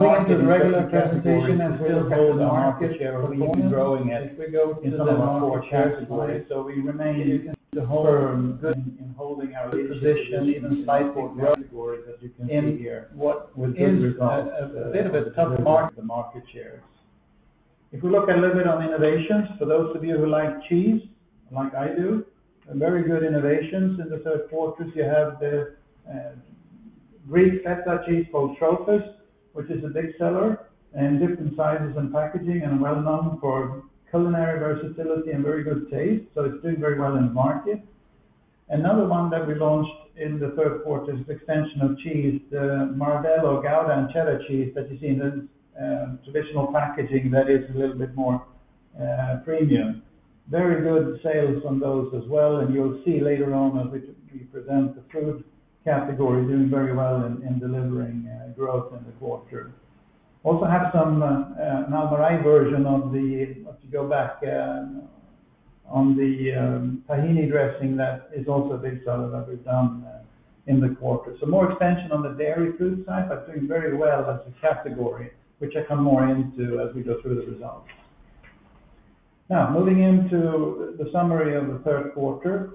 We're on to the regular presentation as well as how the market share of recently growing as we go in some of our forecasted ways. We remain to hold firm in holding our leadership position even despite forecasted growth, as you can see here. What would be a bit of a tough part of the market share? If we look a little bit on innovations, for those of you who like cheese, like I do, and very good innovations in the third quarter, you have the Greek feta cheese called Trofos, which is a big seller in different sizes and packaging and well-known for culinary versatility and very good taste. It's doing very well in the market. Another one that we launched in the third quarter is the expansion of cheese, the Marvello Gouda, and Cheddar cheese that you see in traditional packaging that is a little bit more premium. Very good sales from those as well. You'll see later on as we present the fruit category doing very well in delivering growth in the quarter. We also have some Almarai version of the, if you go back on the tahini dressing that is also a big seller that we've done in the quarter. More expansion on the dairy food side, but doing very well as a category, which I kind of more allude to as we go through the results. Now, moving into the summary of the third quarter.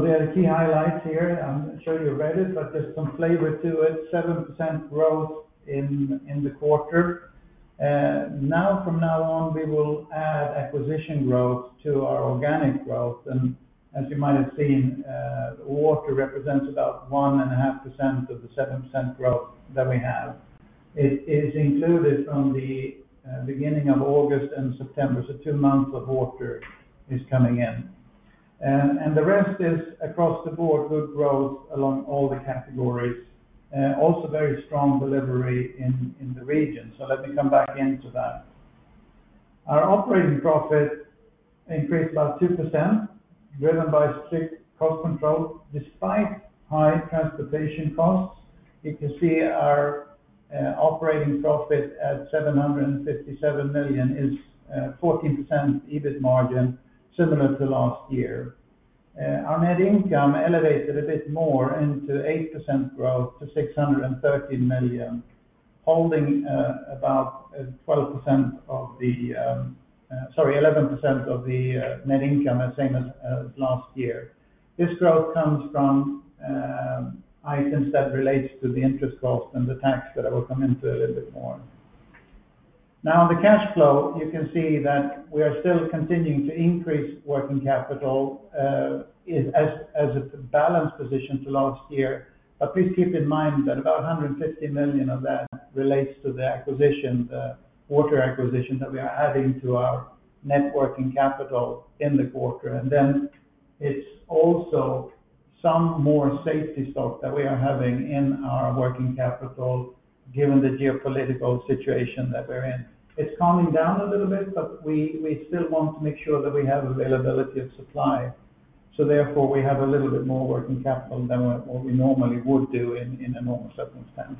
There are the key highlights here. I'm sure you've read it, but there's some flavor to it. 7% growth in the quarter. From now on, we will add acquisition growth to our organic growth. As you might have seen, water represents about 1.5% of the 7% growth that we have. It is included on the beginning of August and September. Two months of water is coming in. The rest is across the board, good growth along all the categories. Also very strong delivery in the region. Let me come back into that. Our operating profit increased about 2%, driven by strict cost control. Despite high transportation costs, you can see our operating profit at 757 million is 14% EBIT margin, similar to last year. Our net income elevated a bit more into 8% growth to 613 million, holding about 12%, sorry, 11% of the net income at the same as last year. This growth comes from items that relate to the interest cost and the tax that I will come into a little bit more. On the cash flow, you can see that we are still continuing to increase working capital as a balanced position to last year. Please keep in mind that about 150 million of that relates to the acquisition, the water acquisition that we are adding to our net working capital in the quarter. It is also some more safety stock that we are having in our working capital, given the geopolitical situation that we're in. It is calming down a little bit, but we still want to make sure that we have availability of supply. Therefore, we have a little bit more working capital than what we normally would do in a normal circumstance.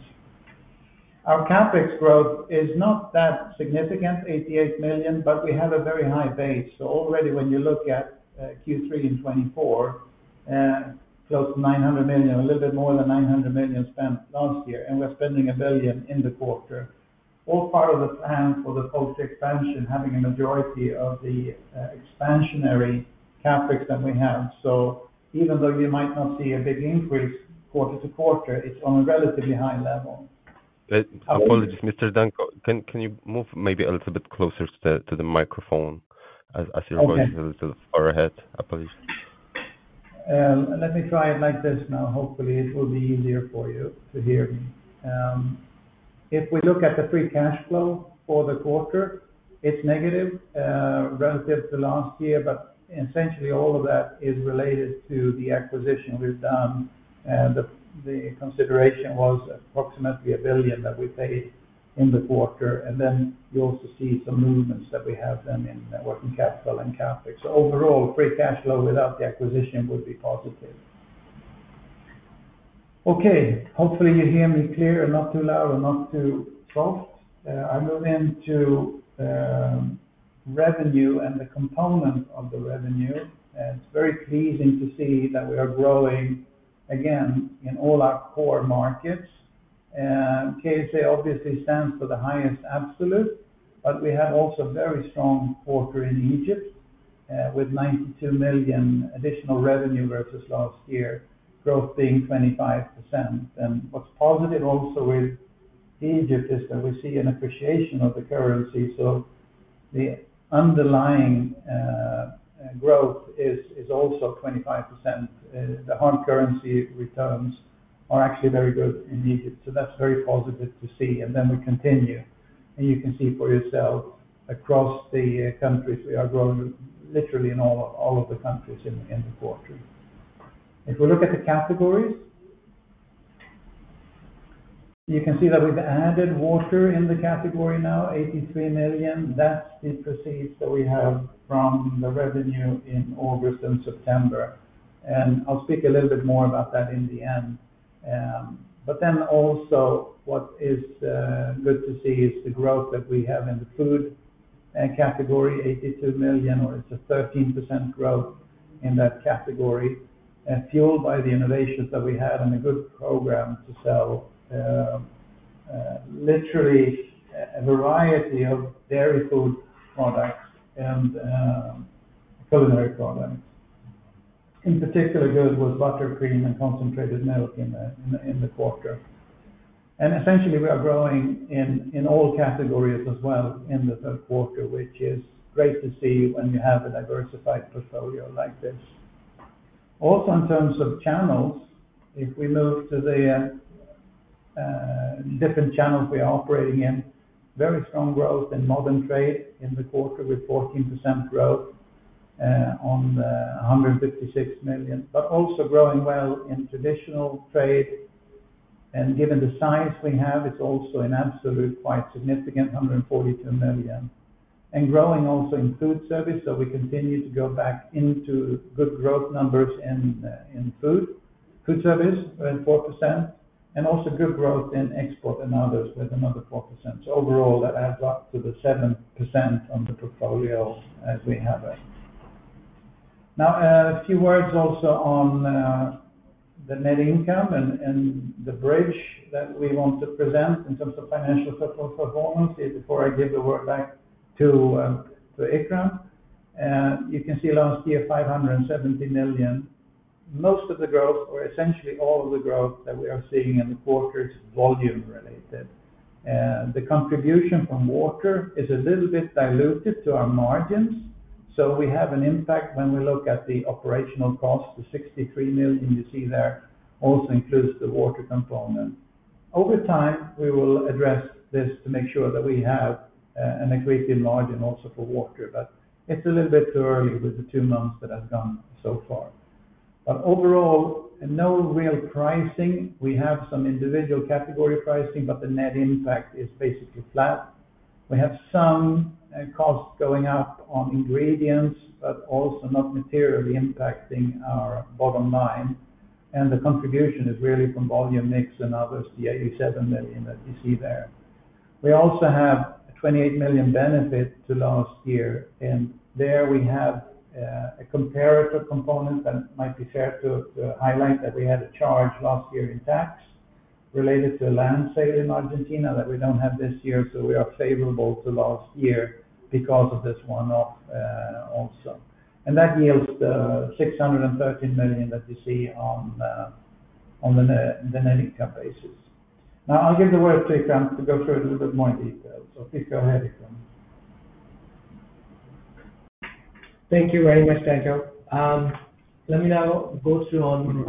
Our CapEx growth is not that significant, 88 million, but we have a very high base. Already, when you look at Q3 in 2024, close to 900 million, a little bit more than 900 million spent last year, and we're spending 1 billion in the quarter. All part of the plan for the expansion, having a majority of the expansionary CapEx that we have. Even though you might not see a big increase quarter to quarter, it's on a relatively high level. Apologies, Mr. Danko. Can you move maybe a little bit closer to the microphone as you're going a little far ahead? Let me try it like this now. Hopefully, it will be easier for you to hear me. If we look at the free cash flow for the quarter, it's negative relative to last year, but essentially, all of that is related to the acquisition we've done. The consideration was approximately 1 billion that we paid in the quarter. You also see some movements that we have done in working capital and CapEx. Overall, free cash flow without the acquisition would be positive. Hopefully, you hear me clear and not too loud or not too soft. I move into revenue and the components of the revenue. It's very pleasing to see that we are growing again in all our core markets. KSA obviously stands for the highest absolute, but we have also a very strong quarter in Egypt with 92 million additional revenue versus last year, growth being 25%. What's positive also with Egypt is that we see an appreciation of the currency. The underlying growth is also 25%. The hard currency returns are actually very good in Egypt. That's very positive to see. You can see for yourself across the countries, we are growing literally in all of the countries in the quarter. If we look at the categories, you can see that we've added water in the category now, 83 million. That's the perceived what we have from the revenue in August and September. I'll speak a little bit more about that in the end. What is good to see is the growth that we have in the food category, 82 million, where it's a 13% growth in that category, fueled by the innovations that we had and a good program to sell literally a variety of dairy food products and culinary products. In particular, good with buttercream and concentrated milk in the quarter. Essentially, we are growing in all categories as well in the third quarter, which is great to see when you have a diversified portfolio like this. Also, in terms of channels, if we move to the different channels we are operating in, very strong growth in modern trade in the quarter with 14% growth on the 156 million, but also growing well in traditional trade. Given the size we have, it's also an absolute, quite significant 142 million. Growing also in food service. We continue to go back into good growth numbers in food service with 4%, and also good growth in export and others with another 4%. Overall, that adds up to the 7% on the portfolio as we have it. Now, a few words also on the net income and the bridge that we want to present in terms of financial performance. Before I give the word back to Ikram, you can see last year 570 million. Most of the growth or essentially all of the growth that we are seeing in the quarter is volume-related. The contribution from water is a little bit diluted to our margins. We have an impact when we look at the operational cost. The 63 million you see there also includes the water component. Over time, we will address this to make sure that we have an equity margin also for water. It's a little bit too early with the two months that have gone so far. Overall, no real pricing. We have some individual category pricing, but the net impact is basically flat. We have some costs going up on ingredients, but also not materially impacting our bottom line. The contribution is really from volume mix and others, the 87 million that you see there. We also have a 28 million benefit to last year. There we have a comparative component that might be fair to highlight that we had a charge last year in tax related to land sale in Argentina that we don't have this year. We are favorable to last year because of this one-off also. That yields the 613 million that you see on the net income basis. Now, I'll give the word to Ikram to go through a little bit more detail. Please go ahead, Ikram. Thank you very much, Danko. Let me now go through.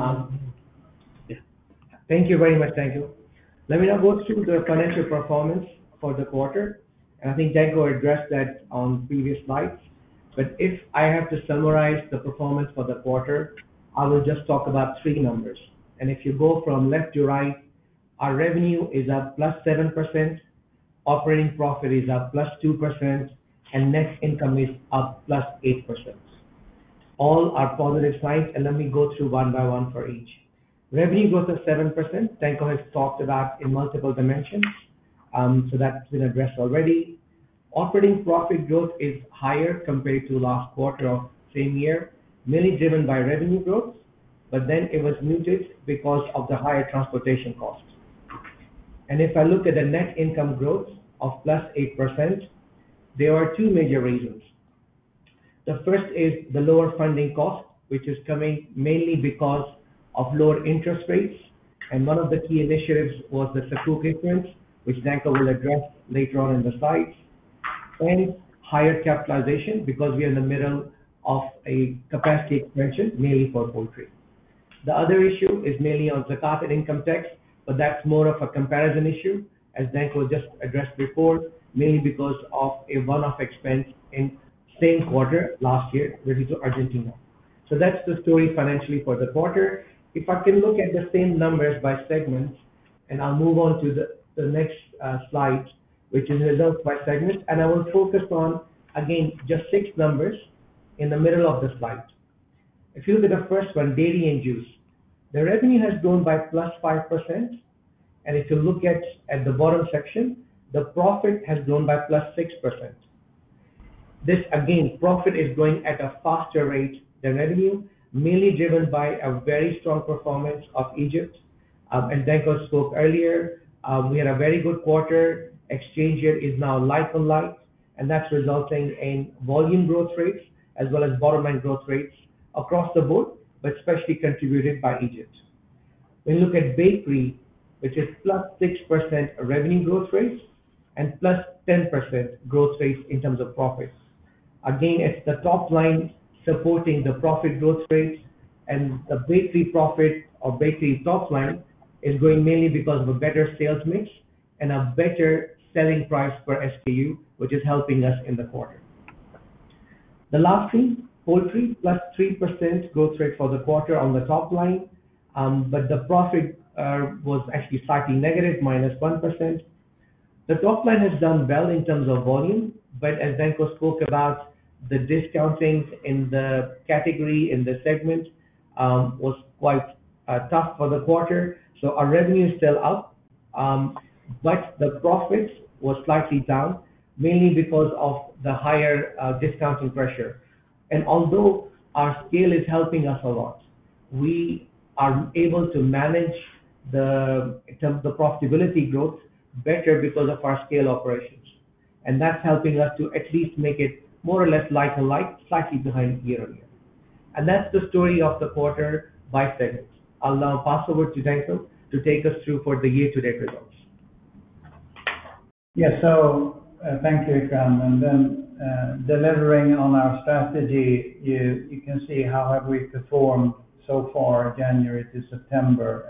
Thank you very much. Thank you. Let me now go through the financial performance for the quarter. I think Danko addressed that on previous slides. If I have to summarize the performance for the quarter, I will just talk about three numbers. If you go from left to right, our revenue is up +7%, operating profit is up +2%, and net income is up +8%. All are positive signs. Let me go through one by one for each. Revenue growth is 7%. Danko has talked about in multiple dimensions. That has been addressed already. Operating profit growth is higher compared to last quarter or same year, mainly driven by revenue growth, but it was muted because of the higher transportation cost. If I look at the net income growth of +8%, there are two major reasons. The first is the lower funding cost, which is coming mainly because of lower interest rates. One of the key initiatives was the [[Sukuk] experience], which Danko will address later on in the slides. Higher capitalization because we are in the middle of a capacity expansion, mainly for poultry. The other issue is mainly on the corporate income tax, but that's more of a comparison issue, as Danko just addressed before, mainly because of a one-off expense in the same quarter last year related to Argentina. That's the story financially for the quarter. If I can look at the same numbers by segments, and I'll move on to the next slide, which is results by segment. I will focus on, again, just six numbers in the middle of the slide. If you look at the first one, dairy and juice, the revenue has grown by +5%. If you look at the bottom section, the profit has grown by +6%. This, again, profit is growing at a faster rate than revenue, mainly driven by a very strong performance of Egypt. Danko spoke earlier, we had a very good quarter. Exchange yield is now like on like. That's resulting in volume growth rates, as well as bottom line growth rates across the board, but especially contributed by Egypt. When you look at bakery, which is +6% revenue growth rates and +10% growth rates in terms of profits. Again, it's the top line supporting the profit growth rate. The bakery profit or bakery top line is growing mainly because of a better sales mix and a better selling price per SKU, which is helping us in the quarter. The last thing, poultry, +3% growth rate for the quarter on the top line, but the profit was actually slightly negative, -1%. The top line has done well in terms of volume, as Danko spoke about, the discounting in the category, in the segment, was quite tough for the quarter. Our revenue is still up, but the profits were slightly down, mainly because of the higher discounting pressure. Although our scale is helping us a lot, we are able to manage the profitability growth better because of our scale operations. That's helping us to at least make it more or less like on like, slightly behind year on year. That's the story of the quarter by segment. I'll now pass over to Danko to take us through for the year-to-date results. Yeah. Thank you, Ikram. Delivering on our strategy, you can see how we have performed so far, January to September.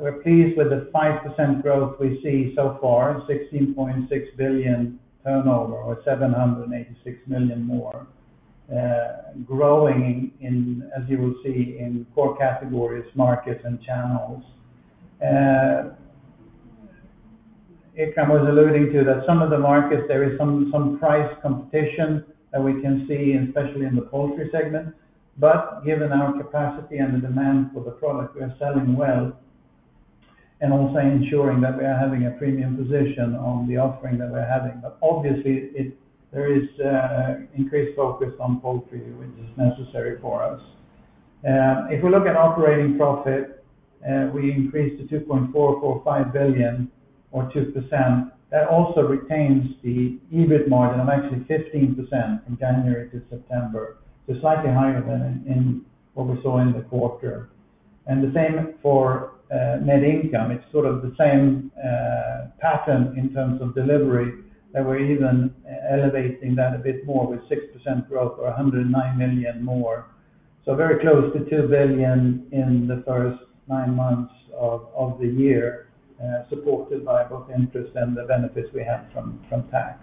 We're pleased with the 5% growth we see so far, 16.6 billion turnover or 786 million more, growing in, as you will see, in core categories, markets, and channels. Ikram was alluding to that some of the markets, there is some price competition that we can see, especially in the poultry segment. Given our capacity and the demand for the product, we are selling well and also ensuring that we are having a premium position on the offering that we're having. Obviously, there is increased focus on poultry, which is necessary for us. If we look at operating profit, we increased to 2.445 billion or 2%. That also retains the EBIT margin of actually 15% in January to September. It's slightly higher than what we saw in the quarter. The same for net income. It's sort of the same pattern in terms of delivery that we're even elevating that a bit more with 6% growth or 109 million more. Very close to 2 billion in the first nine months of the year, supported by both interest and the benefits we have from tax.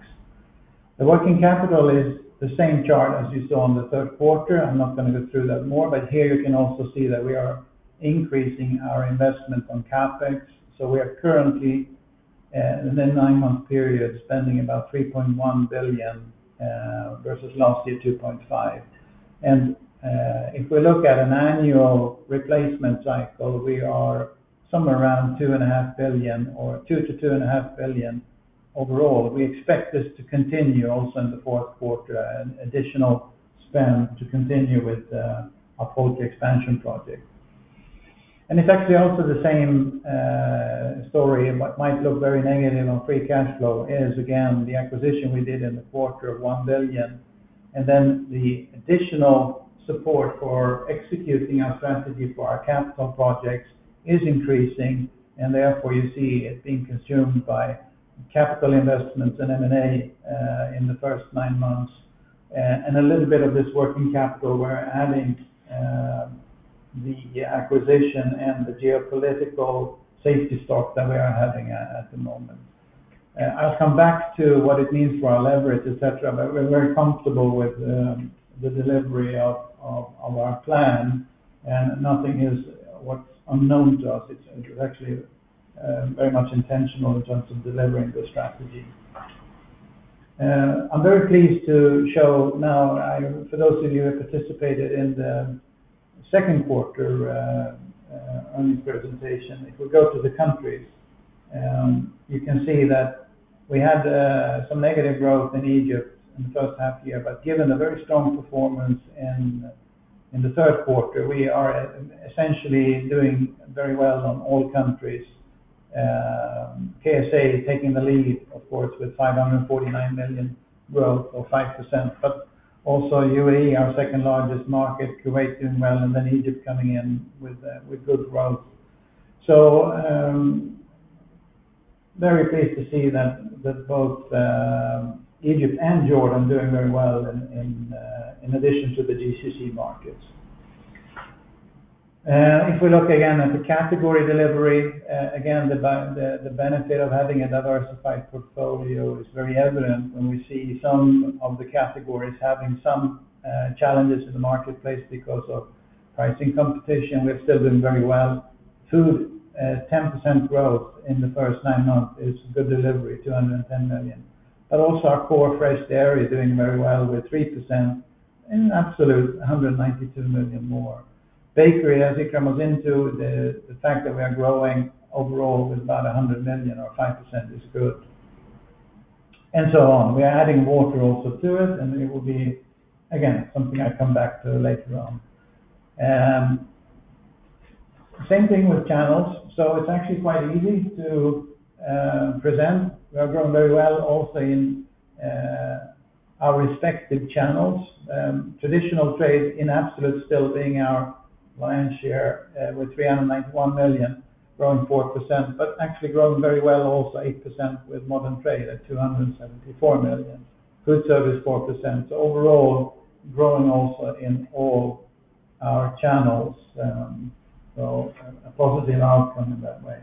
The working capital is the same chart as you saw in the third quarter. I'm not going to go through that more, but here you can also see that we are increasing our investment on CapEx. We are currently, in a nine-month period, spending about 3.1 billion versus last year, 2.5 billion. If we look at an annual replacement cycle, we are somewhere around 2.5 billion or 2 billion-2.5 billion overall. We expect this to continue also in the fourth quarter, an additional spend to continue with our poultry expansion project. It's actually also the same story in what might look very negative on free cash flow, again, the acquisition we did in the quarter of 1 billion. The additional support for executing our strategy for our capital projects is increasing. Therefore, you see it being consumed by capital investments and M&A in the first nine months. A little bit of this working capital, we're adding the acquisition and the geopolitical safety stock that we are having at the moment. I'll come back to what it means for our leverage, etc. We're very comfortable with the delivery of our plan. Nothing is what's unknown to us. It's actually very much intentional in terms of delivering the strategy. I'm very pleased to show now, for those of you who participated in the second quarter on this presentation. If we go to the countries, you can see that we had some negative growth in Egypt in the first half year. Given a very strong performance in the third quarter, we are essentially doing very well in all countries. KSA is taking the lead, of course, with 549 million growth or 5%. UAE, our second largest market, Kuwait doing well, and then Egypt coming in with good growth. Very pleased to see that both Egypt and Jordan are doing very well in addition to the GCC markets. If we look again at the category delivery, the benefit of having a diversified portfolio is very evident when we see some of the categories having some challenges in the marketplace because of pricing competition. We're still doing very well. Food, 10% growth in the first nine months. It's a good delivery, 210 million. Our core fresh dairy is doing very well with 3% and an absolute 192 million more. Bakery, as Ikram was into, the fact that we are growing overall with about 100 million or 5% is good. We are adding water also to it. It will be, again, something I come back to later on. Same thing with channels. It's actually quite easy to present. We are growing very well also in our respective channels. Traditional trade in absolute still being our lion's share with 391 million, growing 4%. Actually growing very well also 8% with modern trade at 274 million. Food service, 4%. Overall, growing also in all our channels. A positive outcome in that way.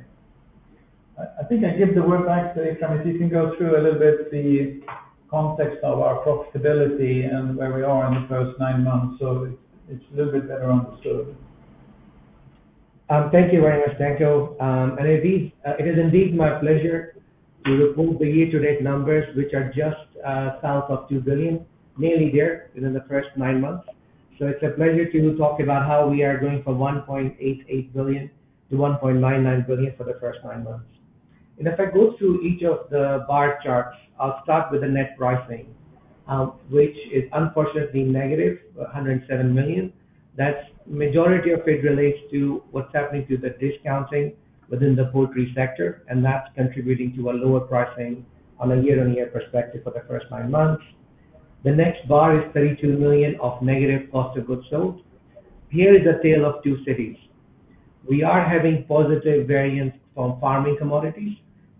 I think I give the word back to Ikram. If you can go through a little bit the context of our profitability and where we are in the first nine months, so it's a little bit better understood. Thank you very much, Danko. It is indeed my pleasure to report the year-to-date numbers, which are just south of 2 billion, nearly there within the first nine months. It's a pleasure to talk about how we are going from 1.88 billion-1.99 billion for the first nine months. If I go through each of the bar charts, I'll start with the net pricing, which is unfortunately negative, but 107 million. The majority of it relates to what's happening to the discounting within the poultry sector, and that's contributing to a lower pricing on a year-on-year perspective for the first nine months. The next bar is 32 million of negative cost of goods sold. Here is a tale of two cities. We are having positive variance from farming commodities,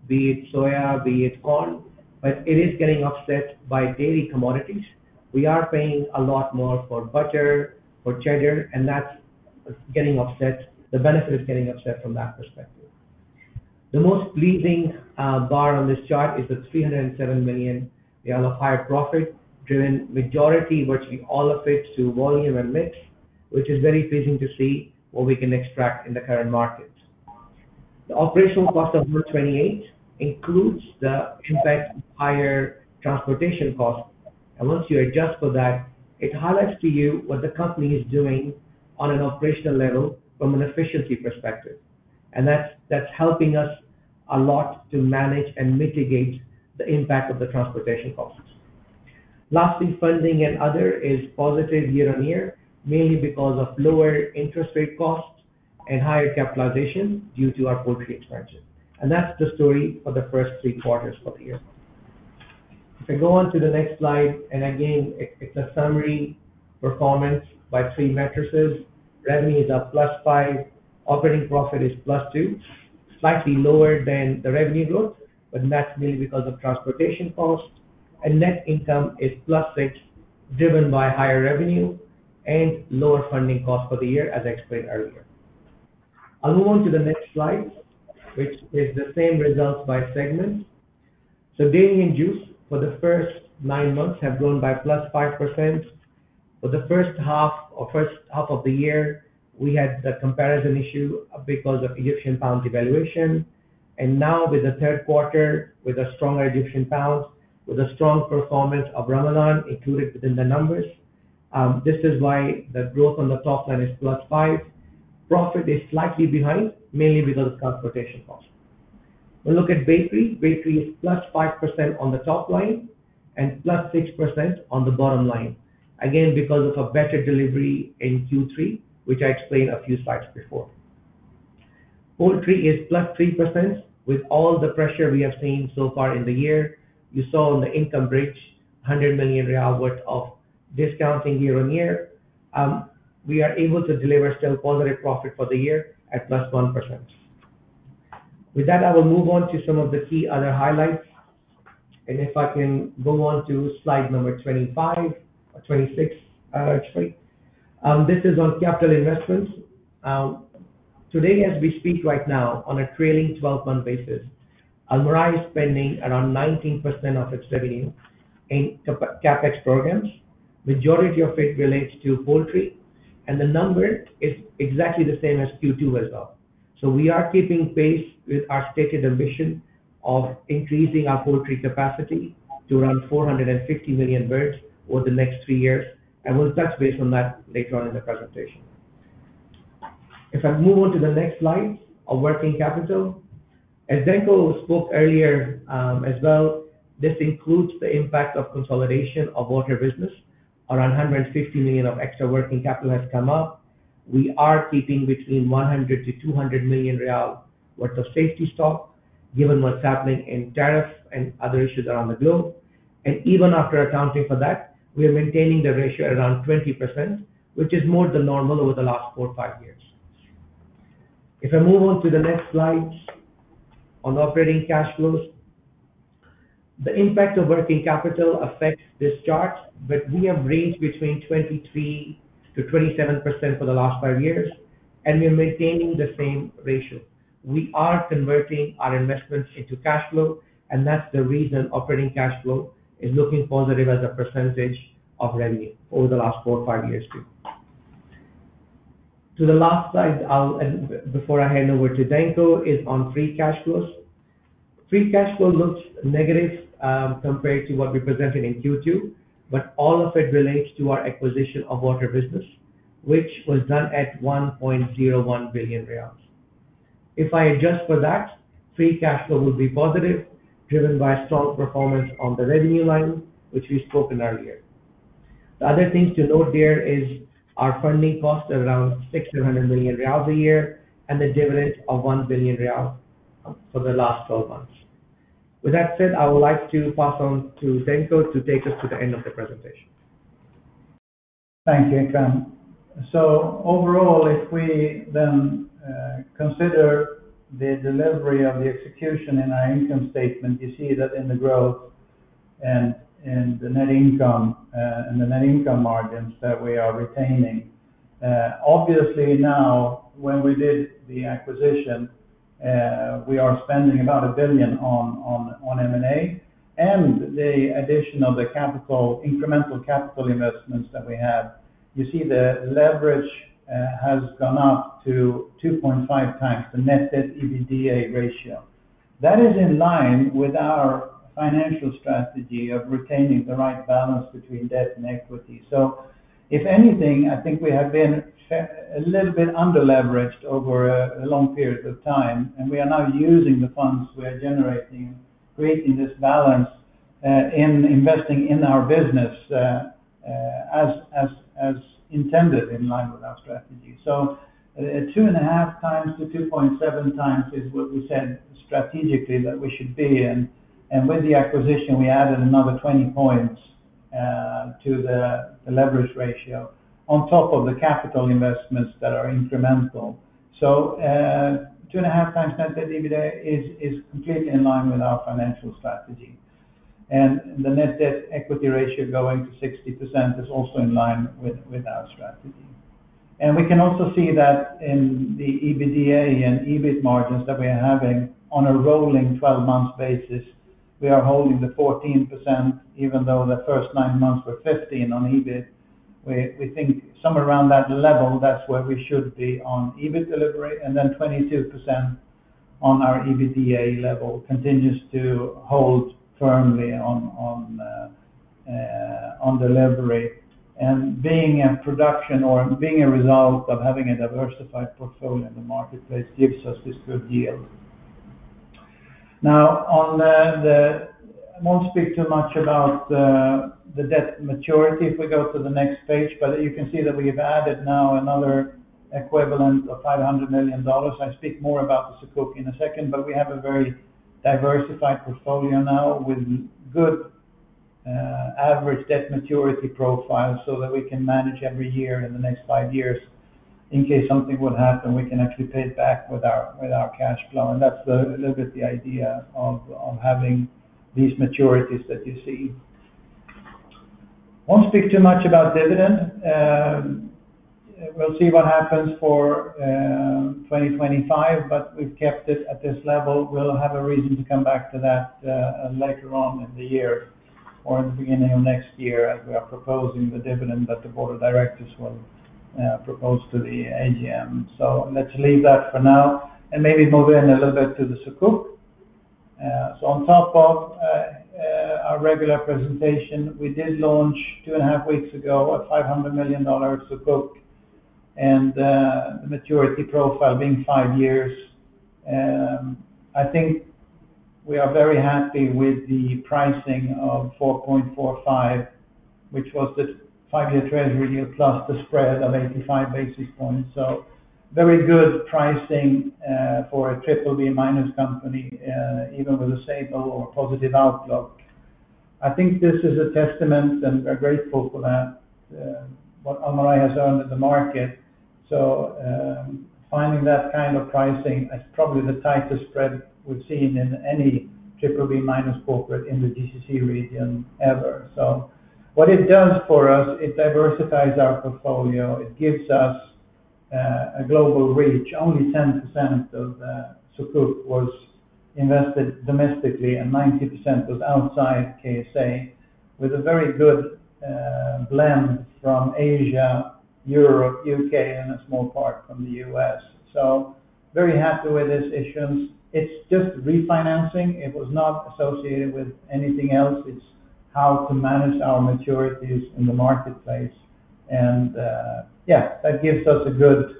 be it soya, be it corn, but it is getting offset by dairy commodities. We are paying a lot more for butter, for cheddar, and that's getting offset, the benefit of getting offset from that perspective. The most pleasing bar on this chart is at 307 million. We have a higher profit driven majority, virtually all of it, to volume and mix, which is very pleasing to see what we can extract in the current markets. The operational cost of 128 million includes the impact higher transportation cost. Once you adjust for that, it highlights to you what the company is doing on an operational level from an efficiency perspective, and that's helping us a lot to manage and mitigate the impact of the transportation costs. Lastly, funding and other is positive year on year, mainly because of lower interest rate costs and higher capitalization due to our poultry expansion. That's the story for the first three quarters for the year. If I go on to the next slide, again, it's a summary performance by three matrices. Revenue is up +5%. Operating profit is +2%, slightly lower than the revenue growth, but that's mainly because of transportation costs. Net income is +6%, driven by higher revenue and lower funding costs for the year, as I explained earlier. I'll move on to the next slide, which is the same results by segment. Dairy and juice for the first nine months have grown by +5%. For the first half of the year, we had a comparison issue because of Egyptian pound devaluation. Now, with the third quarter, with a stronger Egyptian pound, with a strong performance of Ramadan included within the numbers, this is why the growth on the top line is +5%. Profit is slightly behind, mainly because of transportation costs. When we look at bakery, bakery is plus 5% on the top line and plus 6% on the bottom line, again, because of a better delivery in Q3, which I explained a few slides before. Poultry is plus 3% with all the pressure we have seen so far in the year. You saw on the income bridge SAR 100 million worth of discounting year on year. We are able to deliver still positive profit for the year at plus 1%. With that, I will move on to some of the key other highlights. If I can move on to slide number 25 or 26. This is on capital investments. Today, as we speak right now, on a trailing 12-month basis, Almarai is spending around 19% of its revenue in CapEx programs. Majority of it relates to poultry. The number is exactly the same as Q2 as well. We are keeping pace with our stated ambition of increasing our poultry capacity to around 450 million birds over the next three years. We will touch base on that later on in the presentation. If I move on to the next slide of working capital, as Danko spoke earlier as well, this includes the impact of consolidation of water business. Around 150 million of extra working capital has come up. We are keeping between SAR 100 million-SAR 200 million worth of safety stock, given what's happening in tariffs and other issues around the globe. Even after accounting for that, we are maintaining the ratio at around 20%, which is more than normal over the last four to five years. If I move on to the next slide on operating cash flows, the impact of working capital affects this chart, but we have ranged between 23%-27% for the last five years. We are maintaining the same ratio. We are converting our investments into cash flow, and that's the reason operating cash flow is looking positive as a percentage of revenue over the last four to five years too. To the last slide, and before I hand over to Danko, is on free cash flows. Free cash flow looks negative compared to what we presented in Q2, but all of it relates to our acquisition of water business, which was done at 1.01 billion riyals. If I adjust for that, free cash flow will be positive, driven by a strong performance on the revenue line, which we spoke on earlier. The other things to note there are our funding costs at around 600 million riyals year-over-year and the dividends of 1 billion riyals for the last 12 months. With that said, I would like to pass on to Danko to take us to the end of the presentation. Thank you, Ikram. Overall, if we then consider the delivery of the execution in our income statement, you see that in the growth and the net income and the net income margins that we are retaining. Obviously, now, when we did the acquisition, we are spending about 1 billion on M&A. The addition of the capital, incremental capital investments that we have, you see the leverage has gone up to 2.5x, the net debt/EBITDA ratio. That is in line with our financial strategy of retaining the right balance between debt and equity. If anything, I think we have been a little bit under-leveraged over a long period of time. We are now using the funds we are generating, creating this balance in investing in our business as intended, in line with our strategy. 2.5x-2.7x is what we said strategically that we should be in. With the acquisition, we added another 20 points to the leverage ratio on top of the capital investments that are incremental. 2.5x net debt/EBITDA is completely in line with our financial strategy. The net debt/equity ratio going to 60% is also in line with our strategy. We can also see that in the EBITDA and EBIT margins that we are having on a rolling 12-month basis, we are holding the 14%, even though the first nine months were 15% on EBIT. We think somewhere around that level, that's where we should be on EBIT delivery. 22% on our EBITDA level continues to hold firmly on delivery. Being in production or being a result of having a diversified portfolio in the marketplace gives us this good yield. I won't speak too much about the debt maturity if we go to the next page. You can see that we've added now another equivalent of SAR 500 million. I speak more about the [Sukuk] in a second, but we have a very diversified portfolio now with good average debt maturity profiles so that we can manage every year in the next five years. In case something would happen, we can actually pay it back with our cash flow. That's a little bit the idea of having these maturities that you see. I won't speak too much about dividend. We'll see what happens for 2025, but we've kept it at this level. We'll have a reason to come back to that later on in the year or in the beginning of next year as we are proposing the dividend that the board of directors will propose to the AGM. Let's leave that for now and maybe move in a little bit to the [Sukuk]. On top of our regular presentation, we did launch two and a half weeks ago a SAR 500 million [Sukuk] and the maturity profile being five years. I think we are very happy with the pricing of 4.45, which was the five-year treasury deal plus the spread of 85 basis points. Very good pricing for a BBB- minus company, even with a stable or positive outlook. I think this is a testament and we're grateful for that, what Almarai has earned at the market. Finding that kind of pricing is probably the tightest spread we've seen in any BBB- corporate in the GCC region ever. What it does for us, it diversifies our portfolio. It gives us a global reach. Only 10% of the [Sukuk] was invested domestically and 90% was outside KSA, with a very good blend from Asia, Europe, U.K., and a small part from the U.S. Very happy with these issues. It's just refinancing. It was not associated with anything else. It's how to manage our maturities in the marketplace. That gives us a good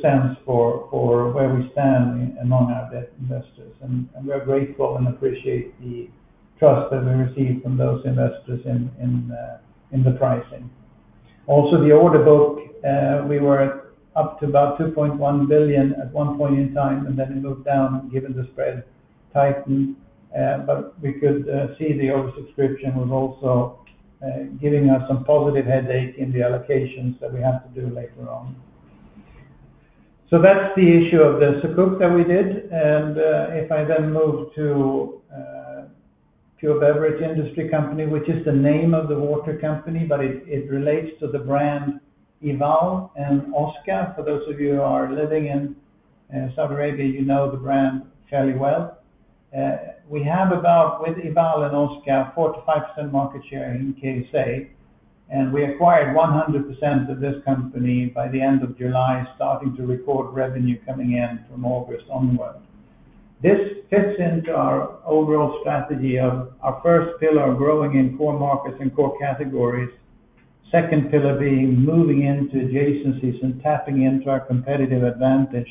sense for where we stand among our debt investors. We are grateful and appreciate the trust that we receive from those investors in the pricing. Also, the order book, we were up to about 2.1 billion at one point in time and then it looked down given the spread tightening. We could see the order subscription was also giving us some positive headache in the allocations that we have to do later on. That's the issue of the [Sukuk] that we did. If I then move to Pure Beverage Industry Company, which is the name of the water company, but it relates to the brand Ival and Oska. For those of you who are living in Saudi Arabia, you know the brand fairly well. We have about, with Ival and Oska, 4%-5% market share in KSA. We acquired 100% of this company by the end of July, starting to record revenue coming in from August onward. This fits into our overall strategy of our first pillar growing in core markets and core categories, second pillar being moving into adjacencies and tapping into our competitive advantage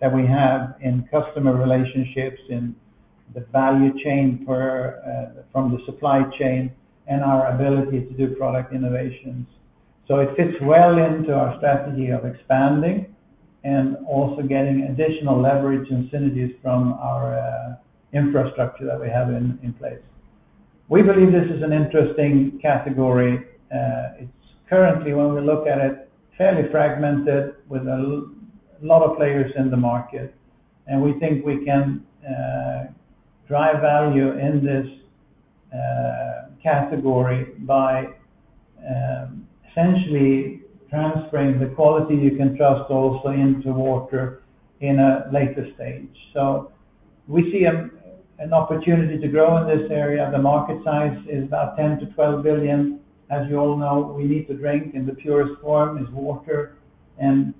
that we have in customer relationships in the value chain from the supply chain and our ability to do product innovations. It fits well into our strategy of expanding and also getting additional leverage and synergies from our infrastructure that we have in place. We believe this is an interesting category. It's currently, when we look at it, fairly fragmented with a lot of players in the market. We think we can drive value in this category by essentially transferring the quality you can trust also into water in a later stage. We see an opportunity to grow in this area. The market size is about 10 billion-12 billion. As you all know, we need to drink in the purest form of water.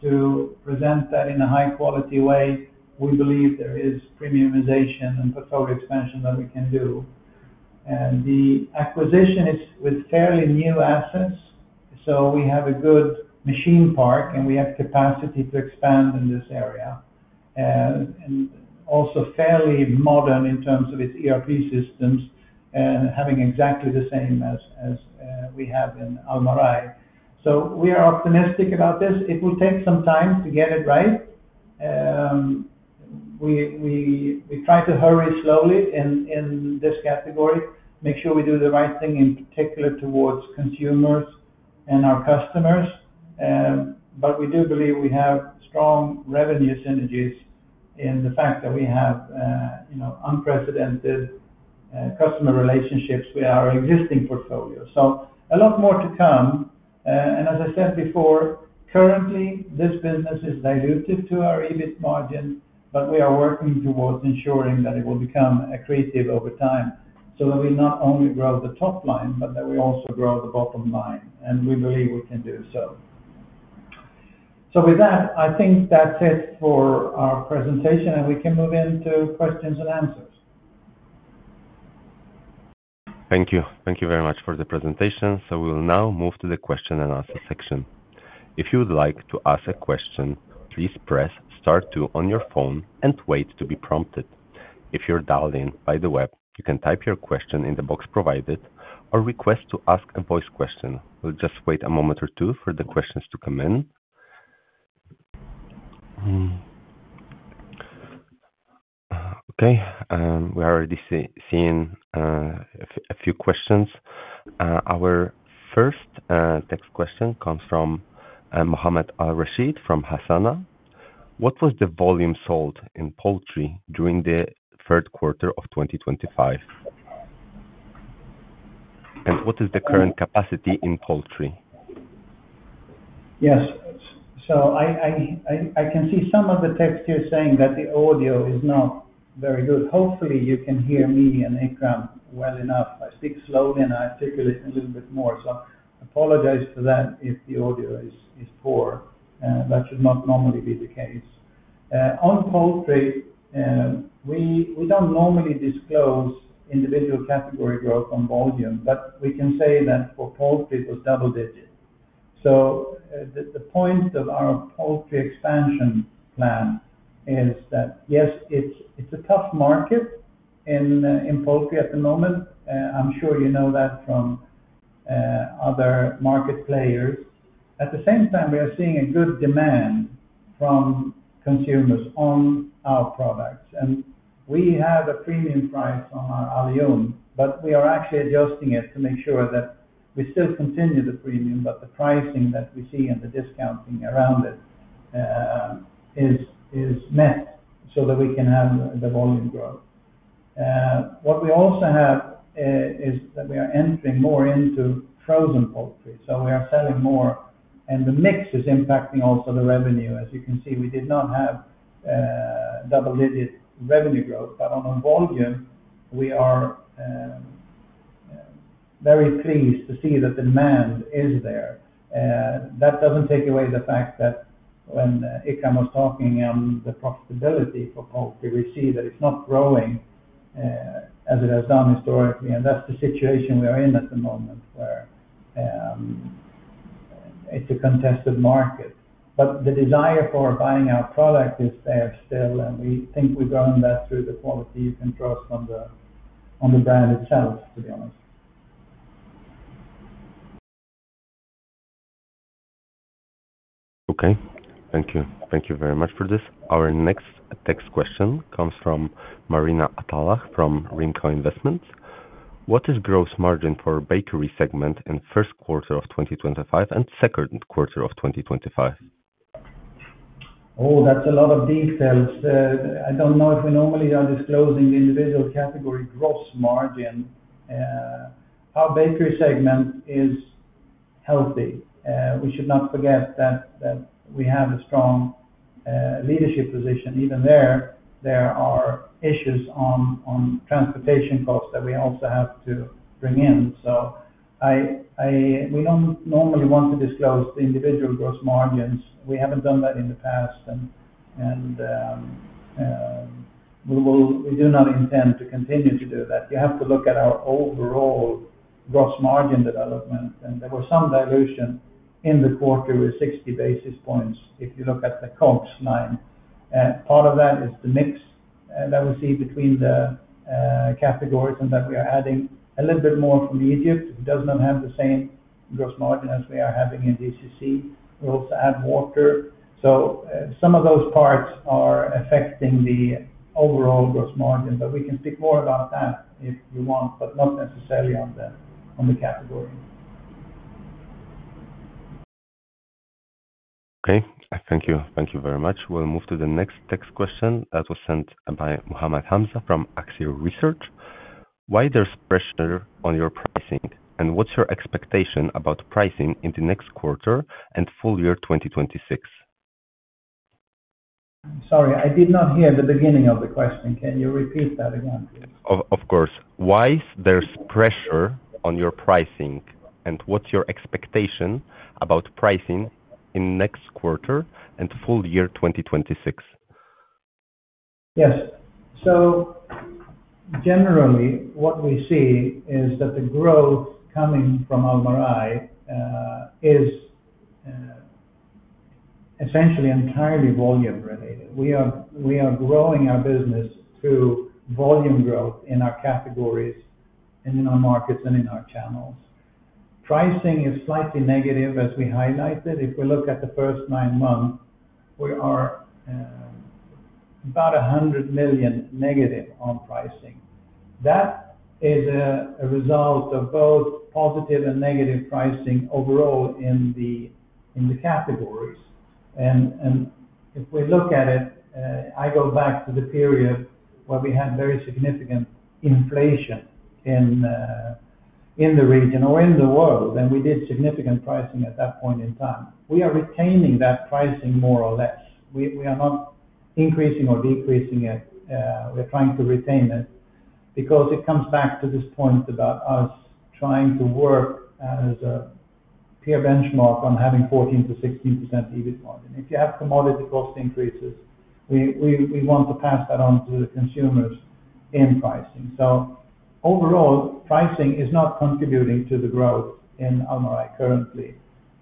To present that in a high-quality way, we believe there is premiumization and portfolio expansion that we can do. The acquisition is with fairly new assets. We have a good machine park, and we have capacity to expand in this area. It is also fairly modern in terms of its ERP systems and having exactly the same as we have in Almarai. We are optimistic about this. It will take some time to get it right. We try to hurry slowly in this category, make sure we do the right thing in particular towards consumers and our customers. We do believe we have strong revenue synergies in the fact that we have unprecedented customer relationships with our existing portfolio. There is a lot more to come. As I said before, currently, this business is dilutive to our EBIT margins, but we are working towards ensuring that it will become accretive over time so that we not only grow the top line, but that we also grow the bottom line. We believe we can do so. I think that's it for our presentation. We can move into questions and answers. Thank you. Thank you very much for the presentation. We'll now move to the question and answer section. If you would like to ask a question, please press star two on your phone and wait to be prompted. If you're dialed in by the web, you can type your question in the box provided or request to ask a voice question. We'll just wait a moment or two for the questions to come in. Okay. We are already seeing a few questions. Our first text question comes from Mohammed Al Rasheed from Hassan. What was the volume sold in poultry during the third quarter of 2025? What is the current capacity in poultry? Yes. I can see some of the texts here saying that the audio is not very good. Hopefully, you can hear me and Ikram well enough. I speak slowly and I articulate a little bit more. I apologize if the audio is poor. That should not normally be the case. On poultry, we don't normally disclose individual category growth on volume, but we can say that for poultry, it was double-digit. The point of our poultry expansion plan is that, yes, it's a tough market in poultry at the moment. I'm sure you know that from other market players. At the same time, we are seeing a good demand from consumers on our products. We have a premium price on [Alyoum], but we are actually adjusting it to make sure that we still continue the premium, but the pricing that we see in the discounting around it is met so that we can handle the volume growth. We also have that we are entering more into frozen poultry. We are selling more, and the mix is impacting also the revenue. As you can see, we did not have double-digit revenue growth, but on the volume, we are very pleased to see that the demand is there. That doesn't take away the fact that when Ikram was talking on the profitability for poultry, we see that it's not growing as it has done historically. That's the situation we are in at the moment where it's a contested market. The desire for buying our product is there still. We think we've done that through the qualities and trust on the brand itself, to be honest. Okay. Thank you. Thank you very much for this. Our next text question comes from Marina Atallah from Rinco Investments. What is the gross margin for the bakery segment in the first quarter of 2025 and the second quarter of 2025? Oh, that's a lot of details. I don't know if we normally are disclosing the individual category gross margin. Our bakery segment is healthy. We should not forget that we have a strong leadership position. Even there, there are issues on transportation costs that we also have to bring in. We don't normally want to disclose the individual gross margins. We haven't done that in the past. We do not intend to continue to do that. You have to look at our overall gross margin development. There was some dilution in the quarter with 60 basis points if you look at the Cokes line. Part of that is the mix that we see between the categories and that we are adding a little bit more from Egypt. It does not have the same gross margin as we are having in GCC. We also add water. Some of those parts are affecting the overall gross margin. We can speak more about that if you want, but not necessarily on the category. Okay. Thank you. Thank you very much. We'll move to the next text question that was sent by Mohammed Hamza from [Axio Research]. Why is there pressure on your pricing? What's your expectation about pricing in the next quarter and full year 2026? Sorry, I did not hear the beginning of the question. Can you repeat that again? Of course. Why is there pressure on your pricing? What's your expectation about pricing in the next quarter and full year 2026? Yes. Generally, what we see is that the growth coming from Almarai is essentially entirely volume-related. We are growing our business through volume growth in our categories, in our markets, and in our channels. Pricing is slightly negative, as we highlighted. If we look at the first nine months, we are about 100 million negative on pricing. That is a result of both positive and negative pricing overall in the categories. If we look at it, I go back to the period where we had very significant inflation in the region or in the world, and we did significant pricing at that point in time. We are retaining that pricing more or less. We are not increasing or decreasing it. We're trying to retain it because it comes back to this point about us trying to work as a peer benchmark on having 14%-16% EBIT margin. If you have commodity cost increases, we want to pass that on to the consumers in pricing. Overall, pricing is not contributing to the growth in Almarai currently.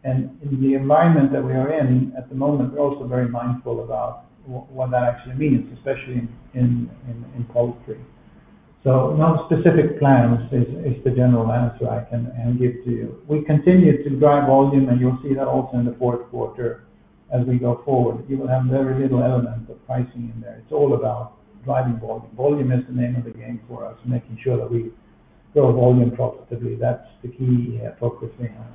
In the environment that we are in at the moment, we're also very mindful about what that actually means, especially in poultry. No specific plan is the general answer I can give to you. We continue to drive volume, and you'll see that also in the fourth quarter as we go forward. You will have very little element of pricing in there. It's all about driving volume. Volume is the name of the game for us, making sure that we grow volume profitably. That's the key focus we have.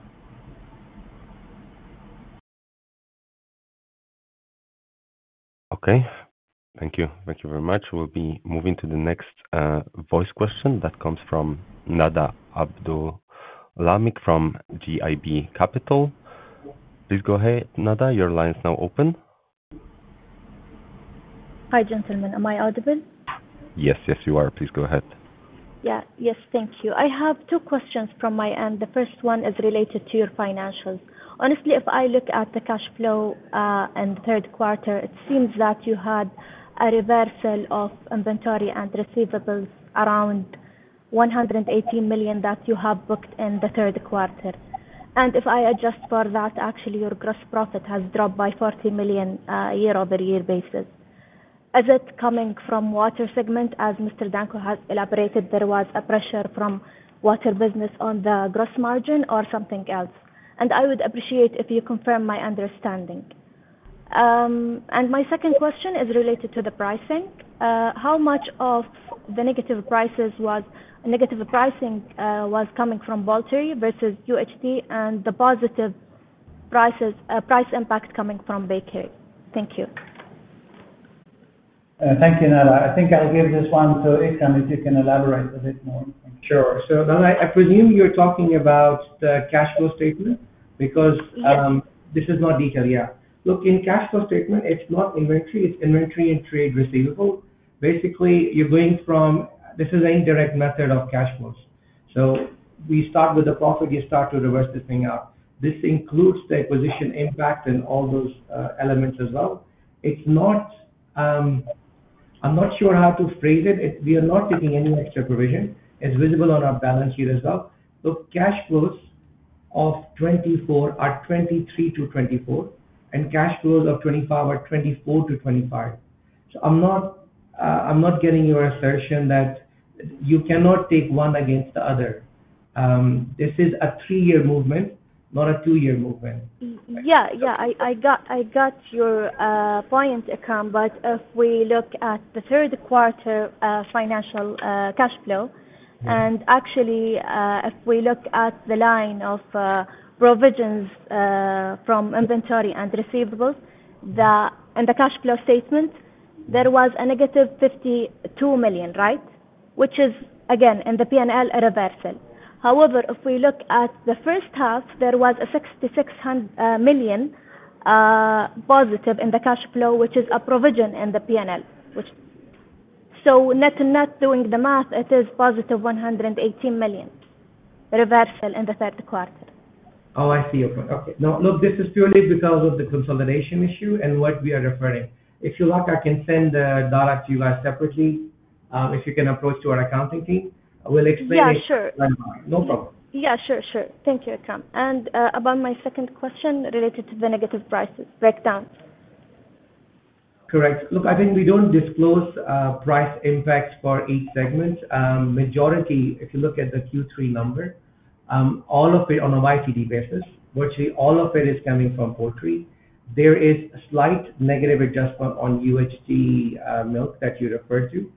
Okay. Thank you. Thank you very much. We'll be moving to the next voice question that comes from Nada Abdul Lamik from GIB Capital. Please go ahead, Nada. Your line is now open. Hi, gentlemen. Am I audible? Yes, you are. Please go ahead. Yes, thank you. I have two questions from my end. The first one is related to your financials. Honestly, if I look at the cash flow in the third quarter, it seems that you had a reversal of inventory and receivables around 118 million that you have booked in the third quarter. If I adjust for that, actually, your gross profit has dropped by 40 million on a year-over-year basis. Is it coming from the water segment? As Mr. Danko has elaborated, there was a pressure from the water business on the gross margin or something else. I would appreciate if you confirm my understanding. My second question is related to the pricing. How much of the negative pricing was coming from poultry versus UHD and the positive price impact coming from bakery? Thank you. Thank you, Nada. I think I'll give this one to Ikram if you can elaborate a bit more, Sure. I presume you're talking about the cash flow statement because this is not detailed. In cash flow statement, it's not inventory. It's inventory and trade receivable. Basically, you're going from this is an indirect method of cash flows. We start with the profit. You start to reverse the thing out. This includes the acquisition impact and all those elements as well. I'm not sure how to phrase it. We are not taking any extra provision. It's visible on our balance sheet as well. Cash flows of 2024 are 2023 to 2024. Cash flows of 2025 or 2024 to 2025. I'm not getting your assertion that you cannot take one against the other. This is a three-year movement, not a two-year movement. Yeah, I got your point, Ikram. If we look at the third quarter financial cash flow, and actually, if we look at the line of provisions from inventory and receivables in the cash flow statement, there was a negative 52 million, right? Which is, again, in the P&L, a reversal. If we look at the first half, there was a 6,600 million positive in the cash flow, which is a provision in the P&L. Net and net, doing the math, it is positive 118 million reversal in the third quarter. Oh, I see your point. Okay. No, look, this is purely because of the consolidation issue and what we are referring to. If you like, I can send the data to you guys separately. If you can approach our accounting team, we'll explain it. Yeah, sure. No problem. Thank you, Ikram. About my second question related to the negative prices breakdown. Correct. Look, I think we don't disclose price impacts for each segment. Majority, if you look at the Q3 number, all of it on a YTD basis, virtually all of it is coming from poultry. There is a slight negative adjustment on UHD milk that you referred to.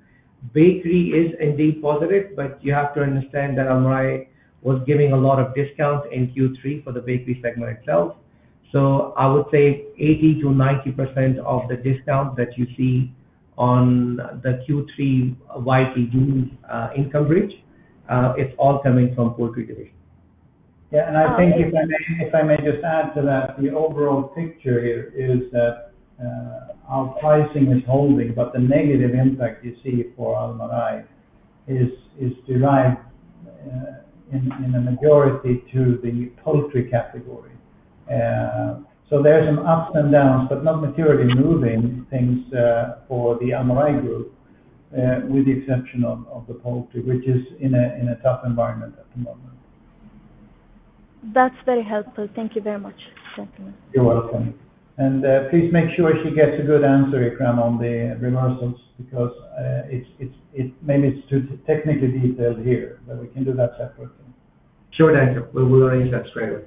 Bakery is indeed positive, but you have to understand that Almarai was giving a lot of discounts in Q3 for the bakery segment itself. I would say 80%-90% of the discount that you see on the Q3 [YTD] income bridge, it's all coming from poultry today. I think if I may just add to that, the overall picture is that our pricing is holding, but the negative impact you see for Almarai is derived in a majority to the poultry category. There are ups and downs, but not materially moving things for the Almarai group, with the exception of the poultry, which is in a tough environment at the moment. That's very helpful. Thank you very much, gentlemen. You're welcome. Please make sure she gets a good answer, Ikram, on the reversals because maybe it's too technically detailed here, but we can do that separately. Sure, Danko. We'll arrange that straight away.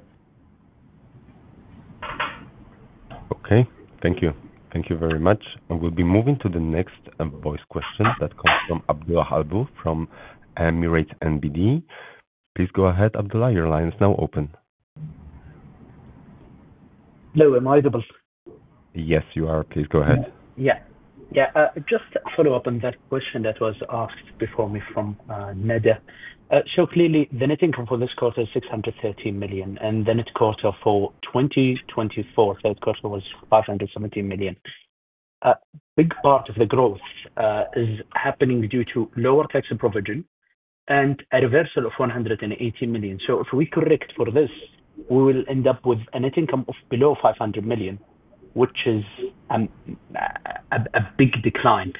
Okay. Thank you. Thank you very much. We'll be moving to the next voice question that comes from Abdullah Alboo from Emirates NBD. Please go ahead, Abdullah. Your line is now open. Hello. Am I audible? Yes, you are. Please go ahead. Yeah. Yeah. Just to follow up on that question that was asked before me from Nada, clearly, the net income for this quarter is 613 million. The net income for 2024, third quarter, was 517 million. A big part of the growth is happening due to lower tax provision and a reversal of 118 million. If we correct for this, we will end up with a net income of below 500 million, which is a big decline.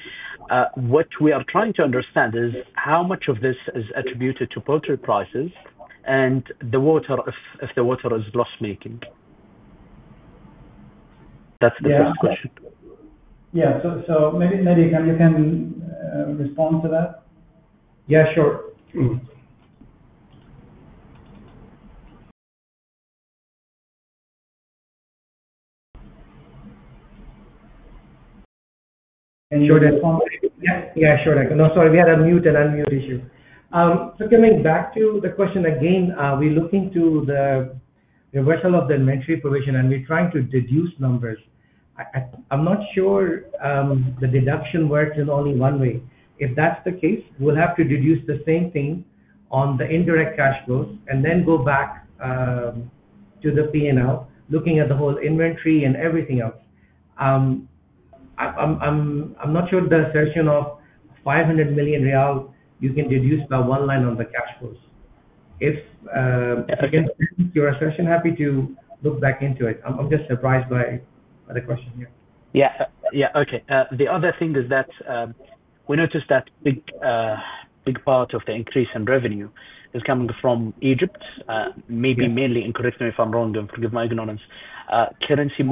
What we are trying to understand is how much of this is attributed to poultry prices and the water, if the water is loss-making. That's the first question. Maybe Danko, can you respond to that? Yeah, sure. Yeah, sure, Danko. Sorry, we had a mute and unmute issue. Coming back to the question again, we're looking to the reversal of the luxury provision, and we're trying to deduce numbers. I'm not sure the deduction works in only one way. If that's the case, we'll have to deduce the same thing on the indirect cash flow and then go back to the P&L, looking at the whole inventory and everything else. I'm not sure the assertion of SAR 500 million you can deduce by one line on the cash flows. If you're especially happy to look back into it, I'm just surprised by the question here. Yeah. Okay. The other thing is that we noticed that a big part of the increase in revenue is coming from Egypt, maybe mainly in, correct me if I'm wrong, currency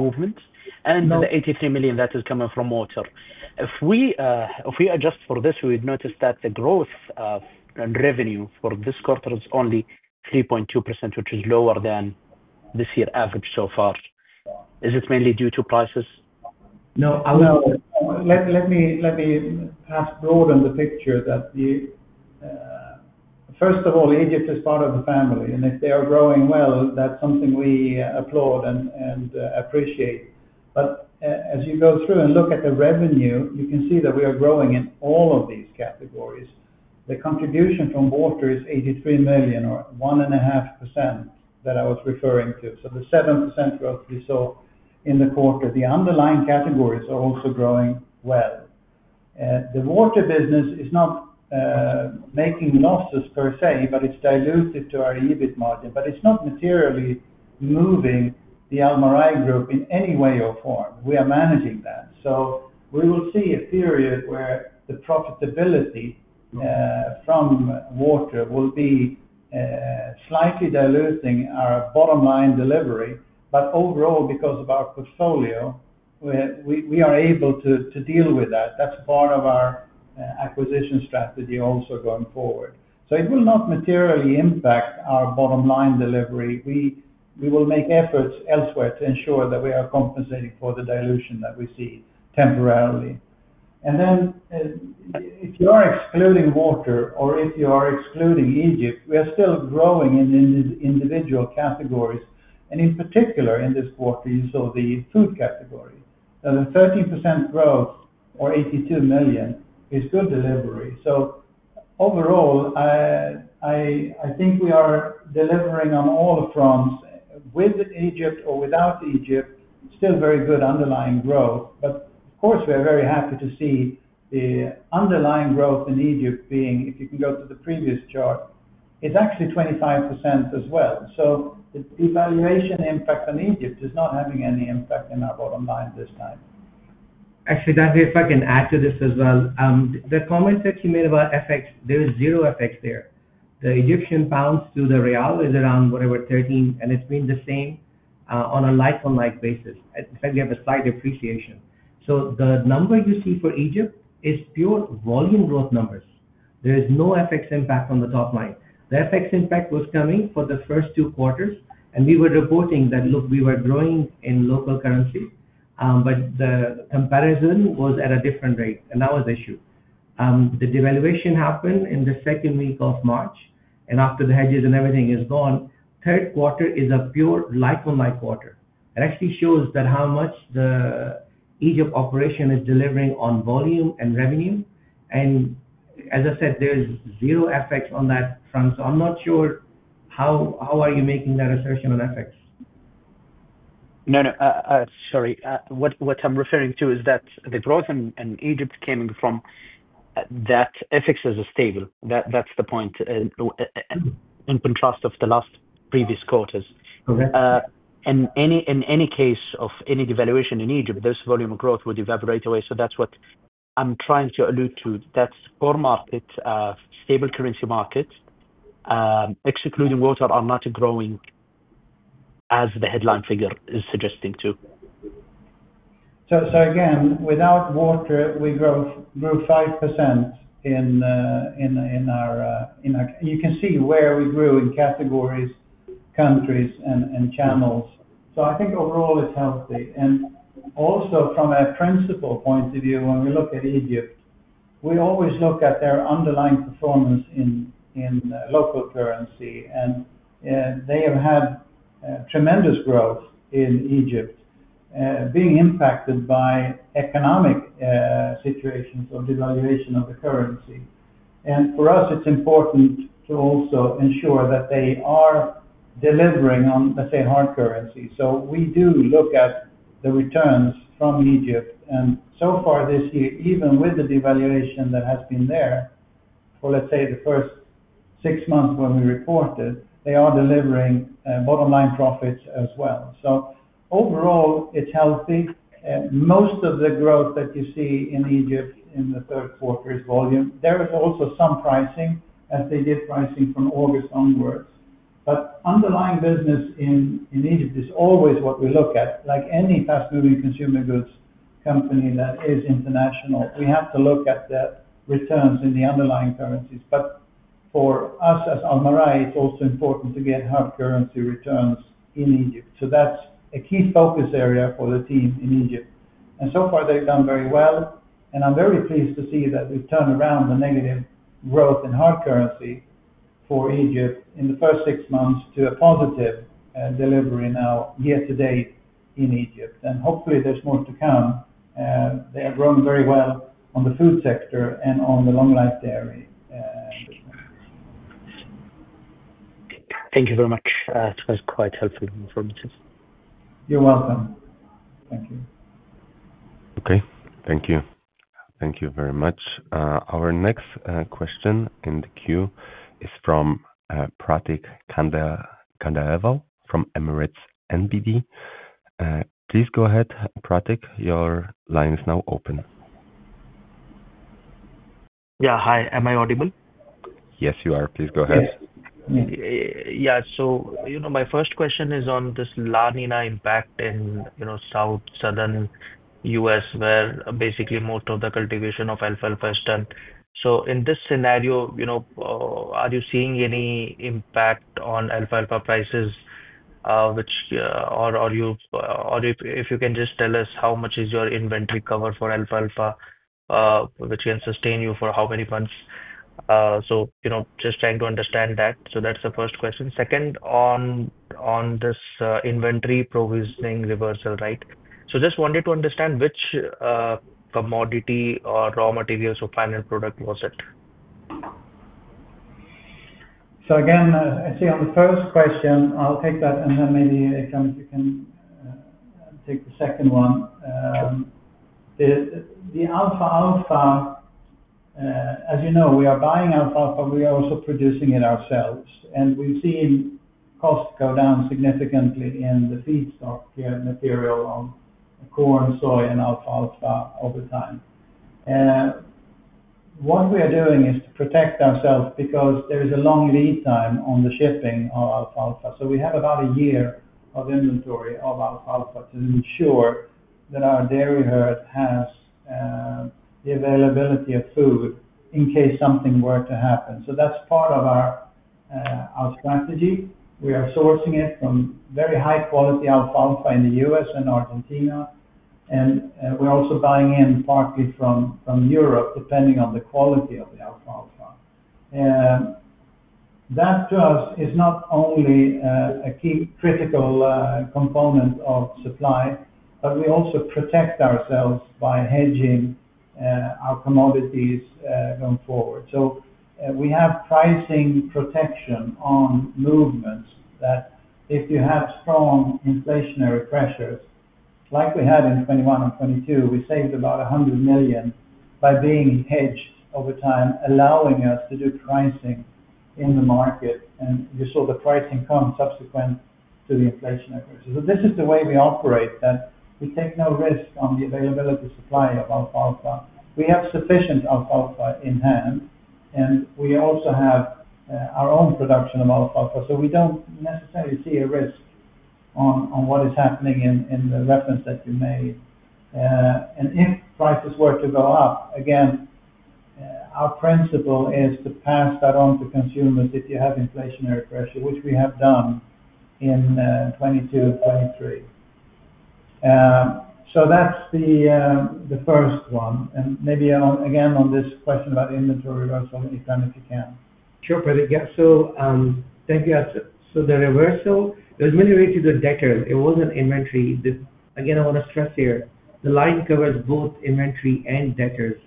movement. The 83 million that is coming from water, if we adjust for this, we would notice that the growth in revenue for this quarter is only 3.2%, which is lower than this year's average so far. Is it mainly due to prices? Let me ask to broaden the picture that first of all, Egypt is part of the family. If they are growing well, that's something we applaud and appreciate. As you go through and look at the revenue, you can see that we are growing in all of these categories. The contribution from water is 83 million or 1.5% that I was referring to. The 7% growth we saw in the quarter, the underlying categories are also growing well. The water business is not making losses per se, but it's dilutive to our EBIT margin. It's not materially moving the Almarai group in any way or form. We are managing that. We will see a period where the profitability from water will be slightly diluting our bottom line delivery. Overall, because of our portfolio, we are able to deal with that. That's part of our acquisition strategy also going forward. It will not materially impact our bottom line delivery. We will make efforts elsewhere to ensure that we are compensating for the dilution that we see temporarily. If you are excluding water or if you are excluding Egypt, we are still growing in individual categories. In particular, in this quarter, you saw the food category. The 13% growth or 82 million is good delivery. Overall, I think we are delivering on all the fronts with Egypt or without Egypt, still very good underlying growth. Of course, we are very happy to see the underlying growth in Egypt being, if you can go to the previous chart, it's actually 25% as well. The valuation impact on Egypt is not having any impact in our bottom line this time. Actually, Danko, if I can add to this as well, the comments that you made about effect, there is zero effect there. The Egyptian pounds to the riyal is around, whatever, 13, and it's been the same on a like-on-like basis. In fact, we have a slight appreciation. The number you see for Egypt is pure volume growth numbers. There is no FX impact on the top line. The FX impact was coming for the first two quarters, and we were reporting that, look, we were growing in local currency, but the comparison was at a different rate. That was the issue. The devaluation happened in the second week of March. After the hedges and everything is gone, the third quarter is a pure like-on-like quarter. It actually shows how much the Egypt operation is delivering on volume and revenue. As I said, there's zero effects on that front. I'm not sure how you are making that assertion on FX. No, no. Sorry. What I'm referring to is that the growth in Egypt is coming from that FX is stable. That's the point in contrast to the last previous quarters. In any case of any devaluation in Egypt, this volume of growth would evaporate away. That's what I'm trying to allude to. That's a stable currency market. Excluding water, we are not growing as the headline figure is suggesting too. Again, without water, we grew 5% in our... You can see where we grew in categories, countries, and channels. I think overall it's healthy. Also, from a principal point of view, when we look at Egypt, we always look at their underlying performance in local currency. They have had tremendous growth in Egypt, being impacted by the economic situation of devaluation of the currency. For us, it's important to also ensure that they are delivering on, let's say, hard currency. We do look at the returns from Egypt. So far, this year, even with the devaluation that has been there for, let's say, the first six months when we reported, they are delivering bottom line profits as well. Overall, it's healthy. Most of the growth that you see in Egypt in the third quarter is volume. There is also some pricing as they did pricing from August onward. Underlying business in Egypt is always what we look at. Like any fast-moving consumer goods company that is international, we have to look at the returns in the underlying currencies. For us as Almarai, it's also important to get hard currency returns in Egypt. That's a key focus area for the team in Egypt. So far, they've done very well. I'm very pleased to see that we've turned around the negative growth in hard currency for Egypt in the first six months to a positive delivery now year to date in Egypt. Hopefully, there's more to come. They are growing very well on the food sector and on the long-life dairy business. Thank you very much. That was quite helpful and informative. You're welcome. Thank you. Okay. Thank you. Thank you very much. Our next question in the queue is from Pratik Kandeleval from Emirates NBD. Please go ahead, Pratik. Your line is now open. Hi. Am I audible? Yes, you are. Please go ahead. Yeah. My first question is on this La Nina impact in Southern U.S., where basically most of the cultivation of alfalfa is done. In this scenario, are you seeing any impact on alfalfa prices? Or if you can just tell us how much is your inventory cover for alfalfa, which can sustain you for how many months? Just trying to understand that. That's the first question. Second, on this inventory provisioning reversal, just wanted to understand which commodity or raw materials or final product was it. On the first question, I'll take that, and then maybe Ikram, you can take the second one. The alfalfa, as you know, we are buying alfalfa. We are also producing it ourselves. We've seen costs go down significantly in the feedstock material on corn, soy, and alfalfa over time. What we are doing is to protect ourselves because there is a long lead time on the shipping of alfalfa. We have about a year of inventory of alfalfa to make sure that our dairy herd has the availability of food in case something were to happen. That's part of our strategy. We are sourcing it from very high-quality alfalfa in the U.S. and Argentina. We're also buying in partly from Europe, depending on the quality of the alfalfa. That to us is not only a key critical component of supply, but we also protect ourselves by hedging our commodities going forward. We have pricing protection on movements that if you have strong inflationary pressures, like we had in 2021 and 2022, we saved about 100 million by being hedged over time, allowing us to do pricing in the market. You saw the pricing come subsequent to the inflationary pressures. This is the way we operate, that we take no risk on the availability supply of alfalfa. We have sufficient alfalfa in hand. We also have our own production of alfalfa. We don't necessarily see a risk on what is happening in the reference that you made. If prices were to go up, again, our principle is to pass that on to consumers if you have inflationary pressure, which we have done in 2022 and 2023. That's the first one. Maybe again on this question about inventory reversal, Ikram, if you can. Sure. Thank you. The reversal, there's many ways to do deckers. It wasn't inventory. I want to stress here, the line covers both inventory and deckers.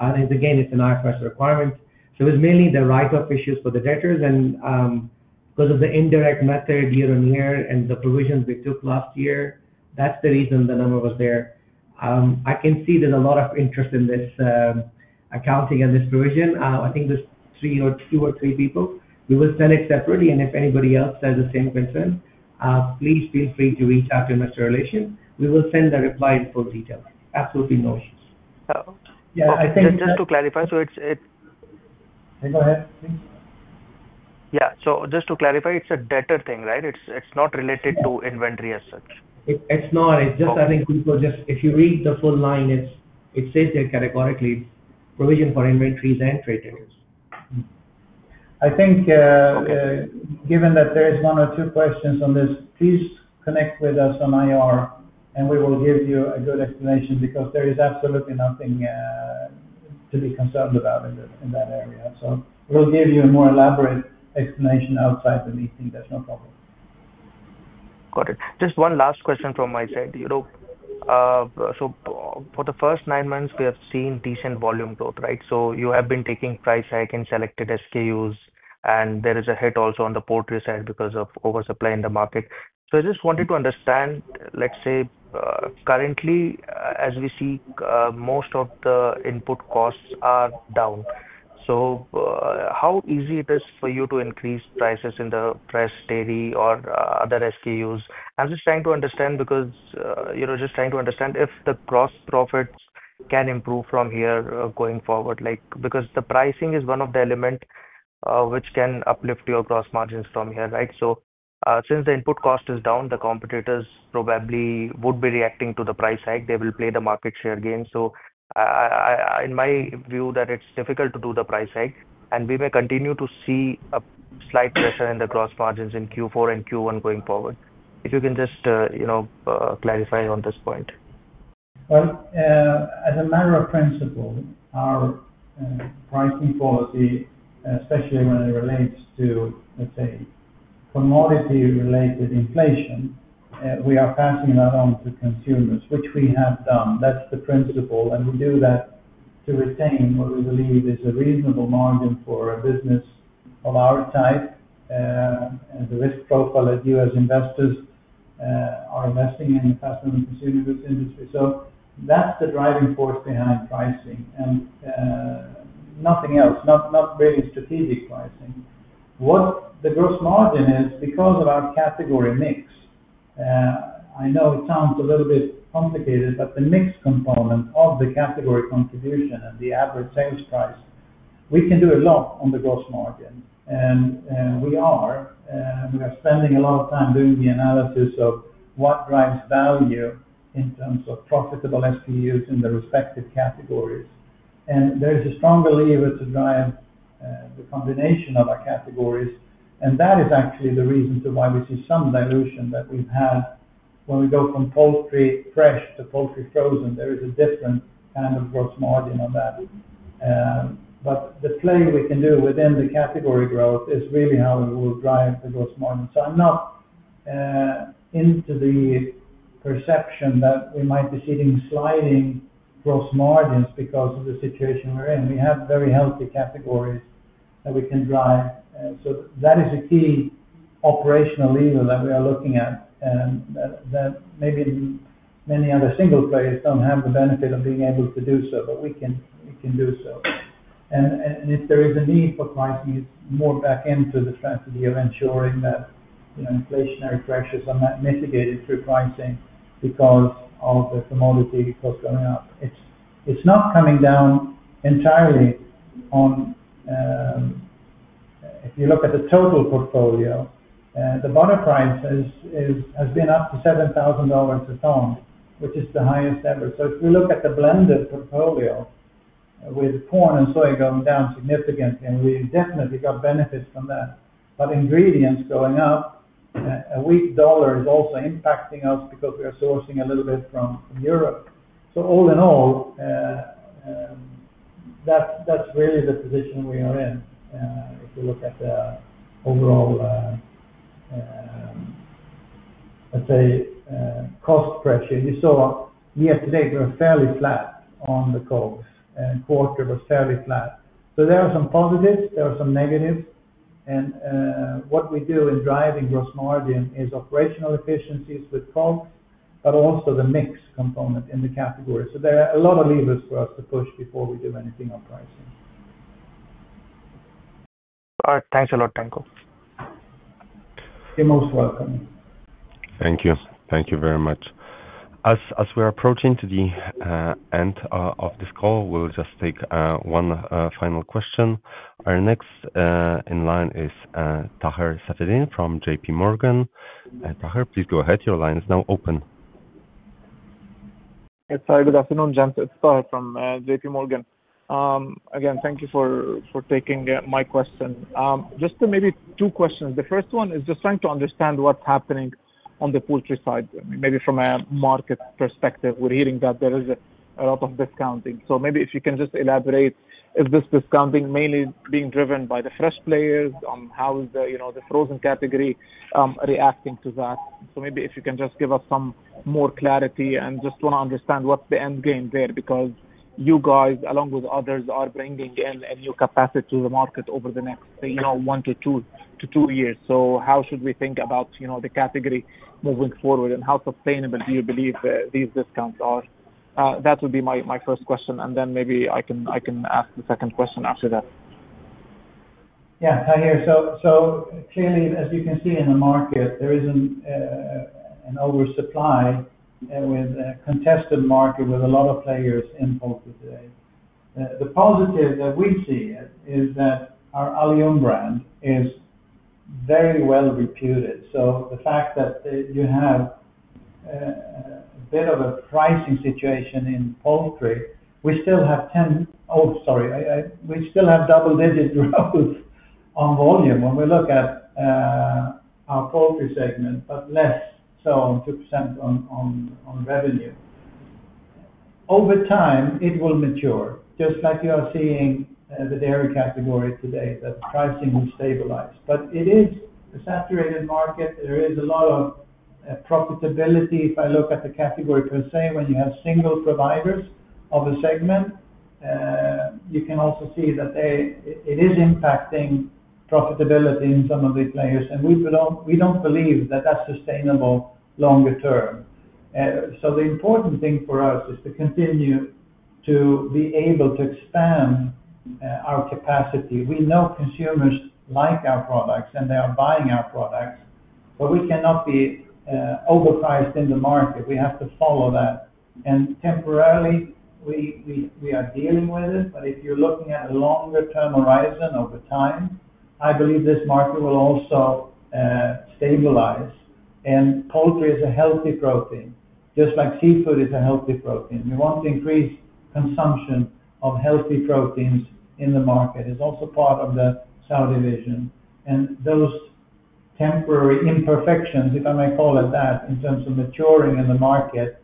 It's an IFRS requirement. It was mainly the write-up issues for the deckers. Because of the indirect method year on year and the provisions we took last year, that's the reason the number was there. I can see there's a lot of interest in this accounting and this provision. I think there's two or three people. We will send it separately. If anybody else has the same concern, please feel free to reach out to investor relation. We will send the reply in full detail. Absolutely no issues. Just to clarify Go ahead. Yeah, just to clarify, it's a decker thing, right? It's not related to inventory as such. It's not. I think people just, if you read the full line, it says there categorically provision for inventories and trade areas. I think given that there are one or two questions on this, please connect with us on IR, and we will give you a good explanation because there is absolutely nothing to be concerned about in that area. We will give you a more elaborate explanation outside the meeting. There's no problem. Got it. Just one last question from my side. For the first nine months, we have seen decent volume growth, right? You have been taking price hikes in selected SKUs, and there is a hit also on the poultry side because of oversupply in the market. I just wanted to understand, currently, as we see, most of the input costs are down. How easy is it for you to increase prices in the fresh dairy or other SKUs? I'm just trying to understand if the gross profits can improve from here going forward, because the pricing is one of the elements which can uplift your gross margins from here, right? Since the input cost is down, the competitors probably would be reacting to the price hike. They will play the market share game. In my view, it's difficult to do the price hike, and we may continue to see a slight pressure in the gross margins in Q4 and Q1 going forward. If you can just clarify on this point. As a matter of principle, our pricing for the, especially when it relates to, let's say, commodity related to inflation, we are passing that on to consumers, which we have done. That's the principle. We do that to retain what we believe is a reasonable margin for a business of our type and the risk profile that U.S. investors are investing in the customer and consumer goods industry. That's the driving force behind pricing and nothing else, not really strategic pricing. What the gross margin is because of our category mix, I know it sounds a little bit complicated, but the mix component of the category contribution and the average sales price, we can do a lot on the gross margin. We are spending a lot of time doing the analysis of what drives value in terms of profitable SKUs in the respective categories. There is a strong belief to drive the combination of our categories, and that is actually the reason to why we see some dilution that we've had when we go from poultry fresh to poultry frozen. There is a different kind of gross margin on that. The play we can do within the category growth is really how we will drive the gross margin. I'm not into the perception that we might be seeing sliding gross margins because of the situation we're in. We have very healthy categories that we can drive. That is a key operational lever that we are looking at. Maybe many other single players don't have the benefit of being able to do so, but we can do so. If there is a need for pricing more into the strategy of ensuring that inflationary pressures are mitigated through pricing because of the commodity we've got going up, it's not coming down entirely. If you look at the total portfolio, the bottom price has been up to SAR 7,000 a ton, which is the highest ever. If we look at the blended portfolio with corn and soy going down significantly, we definitely got benefits from that, but ingredients going up, a weak dollar is also impacting us because we are sourcing a little bit from Europe. All in all, that's really the position we are in. If we look at the overall of our, let's say, cost pressure, and you saw year to date, they're fairly flat on the coals, and quarter was fairly flat. There are some positives, there are some negatives. What we do in driving gross margin is operational efficiencies with coal, but also the mix component in the category. There are a lot of levers for us to push before we do anything on pricing. All right. Thanks a lot, Danko. You're most welcome. Thank you. Thank you very much. As we're approaching the end of this call, we'll just take one final question. Our next in line is Taher Safieddine from JP Morgan. Taher, please go ahead. Your line is now open. Hi, good afternoon, Ikram. It's Taher from JP Morgan. Again, thank you for taking my question. Just maybe two questions. The first one is just trying to understand what's happening on the poultry side. Maybe from a market perspective, we're hearing that there is a lot of discounting. If you can just elaborate, is this discounting mainly being driven by the fresh players? How is the frozen category reacting to that? If you can just give us some more clarity and just want to understand what's the end game there because you guys, along with others, are bringing in a new capacity to the market over the next, say, one to two years. How should we think about the category moving forward? How sustainable do you believe these discounts are? That would be my first question. Maybe I can ask the second question after that. Yeah. Hi here. Clearly, as you can see in the market, there is an oversupply and we're in a contested market with a lot of players in poultry today. The positive that we see is that our Alyoum brand is very well reputed. The fact that you have a bit of a pricing situation in poultry, we still have double-digit growth on volume when we look at our poultry segment, but less so on 2% on revenue. Over time, it will mature, just like you are seeing the dairy category today that is pricing is stabilized. It is a saturated market. There is a lot of profitability if I look at the category. I was saying when you have single providers of a segment, you can also see that it is impacting profitability in some of the players. We don't believe that that's sustainable longer term. The important thing for us is to continue to be able to expand our capacity. We know consumers like our products and they are buying our products, but we cannot be overpriced in the market. We have to follow that. Temporarily, we are dealing with this, but if you're looking at a longer-term horizon over time, I believe this market will also stabilize. Poultry is a healthy protein, just like seafood is a healthy protein. We want to increase consumption of healthy proteins in the market. It's also part of the sour division. Those temporary imperfections, if I may call it that, in terms of maturing in the market,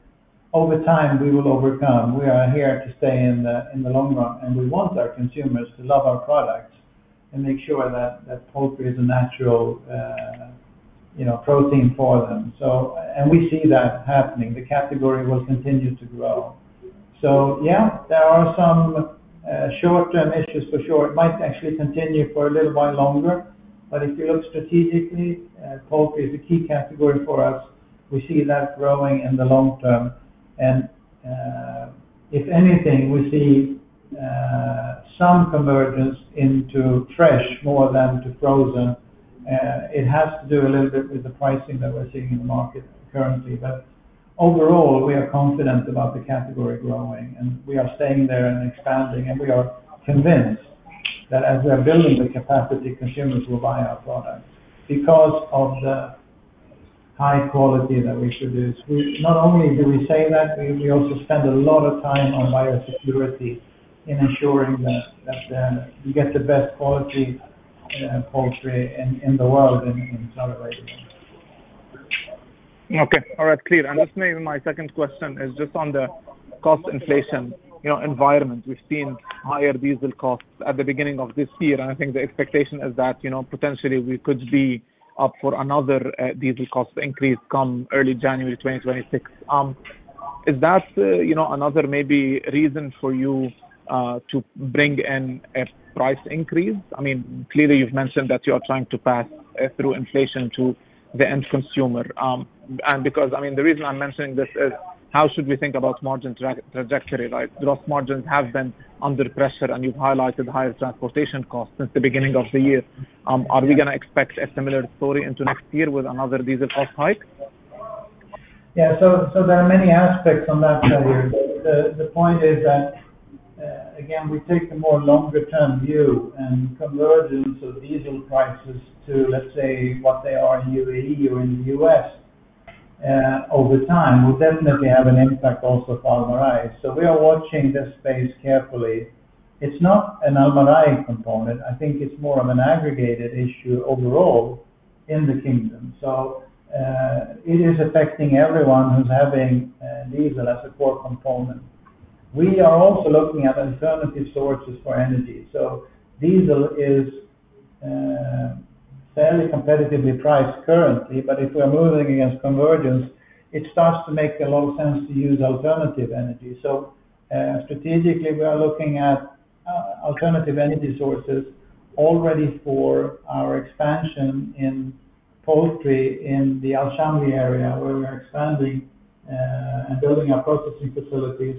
over time, we will overcome. We are here to stay in the long run. We want our consumers to love our products and make sure that poultry is a natural protein for them. We see that happening. The category will continue to grow. There are some short-term issues for sure. It might actually continue for a little bit longer, but if you look strategically, poultry is a key category for us. We see that growing in the long term. If anything, we see some convergence into fresh more than to frozen. It has to do a little bit with the pricing that we're seeing in the market currently. Overall, we are confident about the category growing, and we are staying there and expanding. We are convinced that as we are building the capacity, consumers will buy our product because of the high quality that we produce. Not only do we say that, we also spend a lot of time on biosecurity in ensuring that you get the best quality poultry in the world and in some regions. Okay. All right. Clear. Just maybe my second question is on the cost inflation environment. We've seen higher diesel costs at the beginning of this year, and I think the expectation is that potentially we could be up for another diesel cost increase come early January 2026. Is that another maybe reason for you to bring in a price increase? I mean, clearly, you've mentioned that you are trying to pass through inflation to the end consumer. The reason I'm mentioning this is how should we think about margin trajectory, right? The lost margins have been under pressure, and you've highlighted higher transportation costs since the beginning of the year. Are we going to expect a similar story into next year with another diesel cost hike? Yeah. There are many aspects on that, Taher. The point is that, again, we take a more longer-term view and convergence of diesel prices to, let's say, what they are in the UAE or in the U.S., over time. We definitely have an impact also for Almarai. We are watching this space carefully. It's not an Almarai component. I think it's more of an aggregated issue overall in the Kingdom. It is affecting everyone who's having diesel as a core component. We are also looking at alternative sources for energy. Diesel is fairly competitively priced currently, but if we are moving against convergence, it starts to make a lot of sense to use alternative energy. Strategically, we are looking at alternative energy sources already for our expansion in poultry in the Al-Shamli area where we are expanding and building our processing facilities.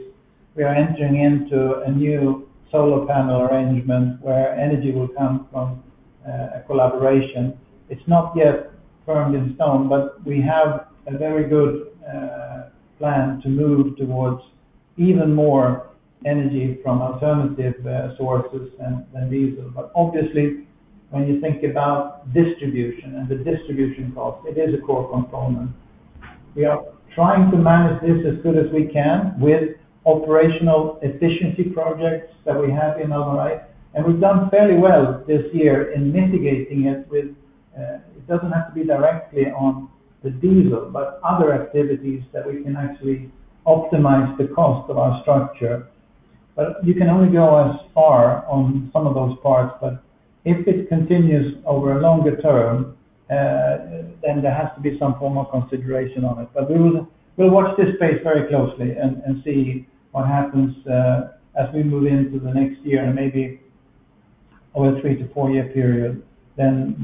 We are entering into a new solar panel arrangement where energy will come from a collaboration. It's not yet burned in stone, but we have a very good plan to move towards even more energy from alternative sources than diesel. Obviously, when you think about distribution and the distribution cost, it is a core component. We are trying to manage this as good as we can with operational efficiency projects that we have in Almarai. We've done fairly well this year in mitigating it. It doesn't have to be directly on the diesel, but other activities that we can actually optimize the cost of our structure. You can only go as far on some of those parts. If it continues over a longer term, then there has to be some form of consideration on it. We will watch this space very closely and see what happens as we move into the next year and maybe over a three to four-year period. Then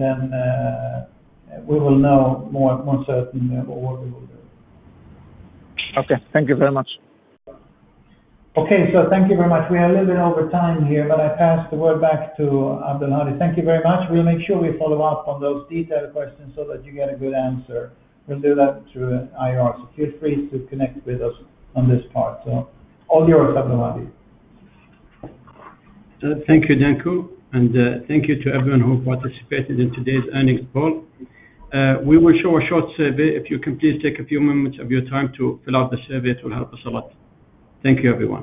we will know more certainly what we will do. Okay, thank you very much. Okay, thank you very much. We are a little bit over time here, but I pass the word back to Abdulhadi. Thank you very much. We'll make sure we follow up on those detailed questions so that you get a good answer. We'll do that through IR. Feel free to connect with us on this part. All yours, Abdulhadi. Thank you, Danko. Thank you to everyone who participated in today's earnings call. We will show a short survey. If you can please take a few moments of your time to fill out the survey, it will help us a lot. Thank you, everyone.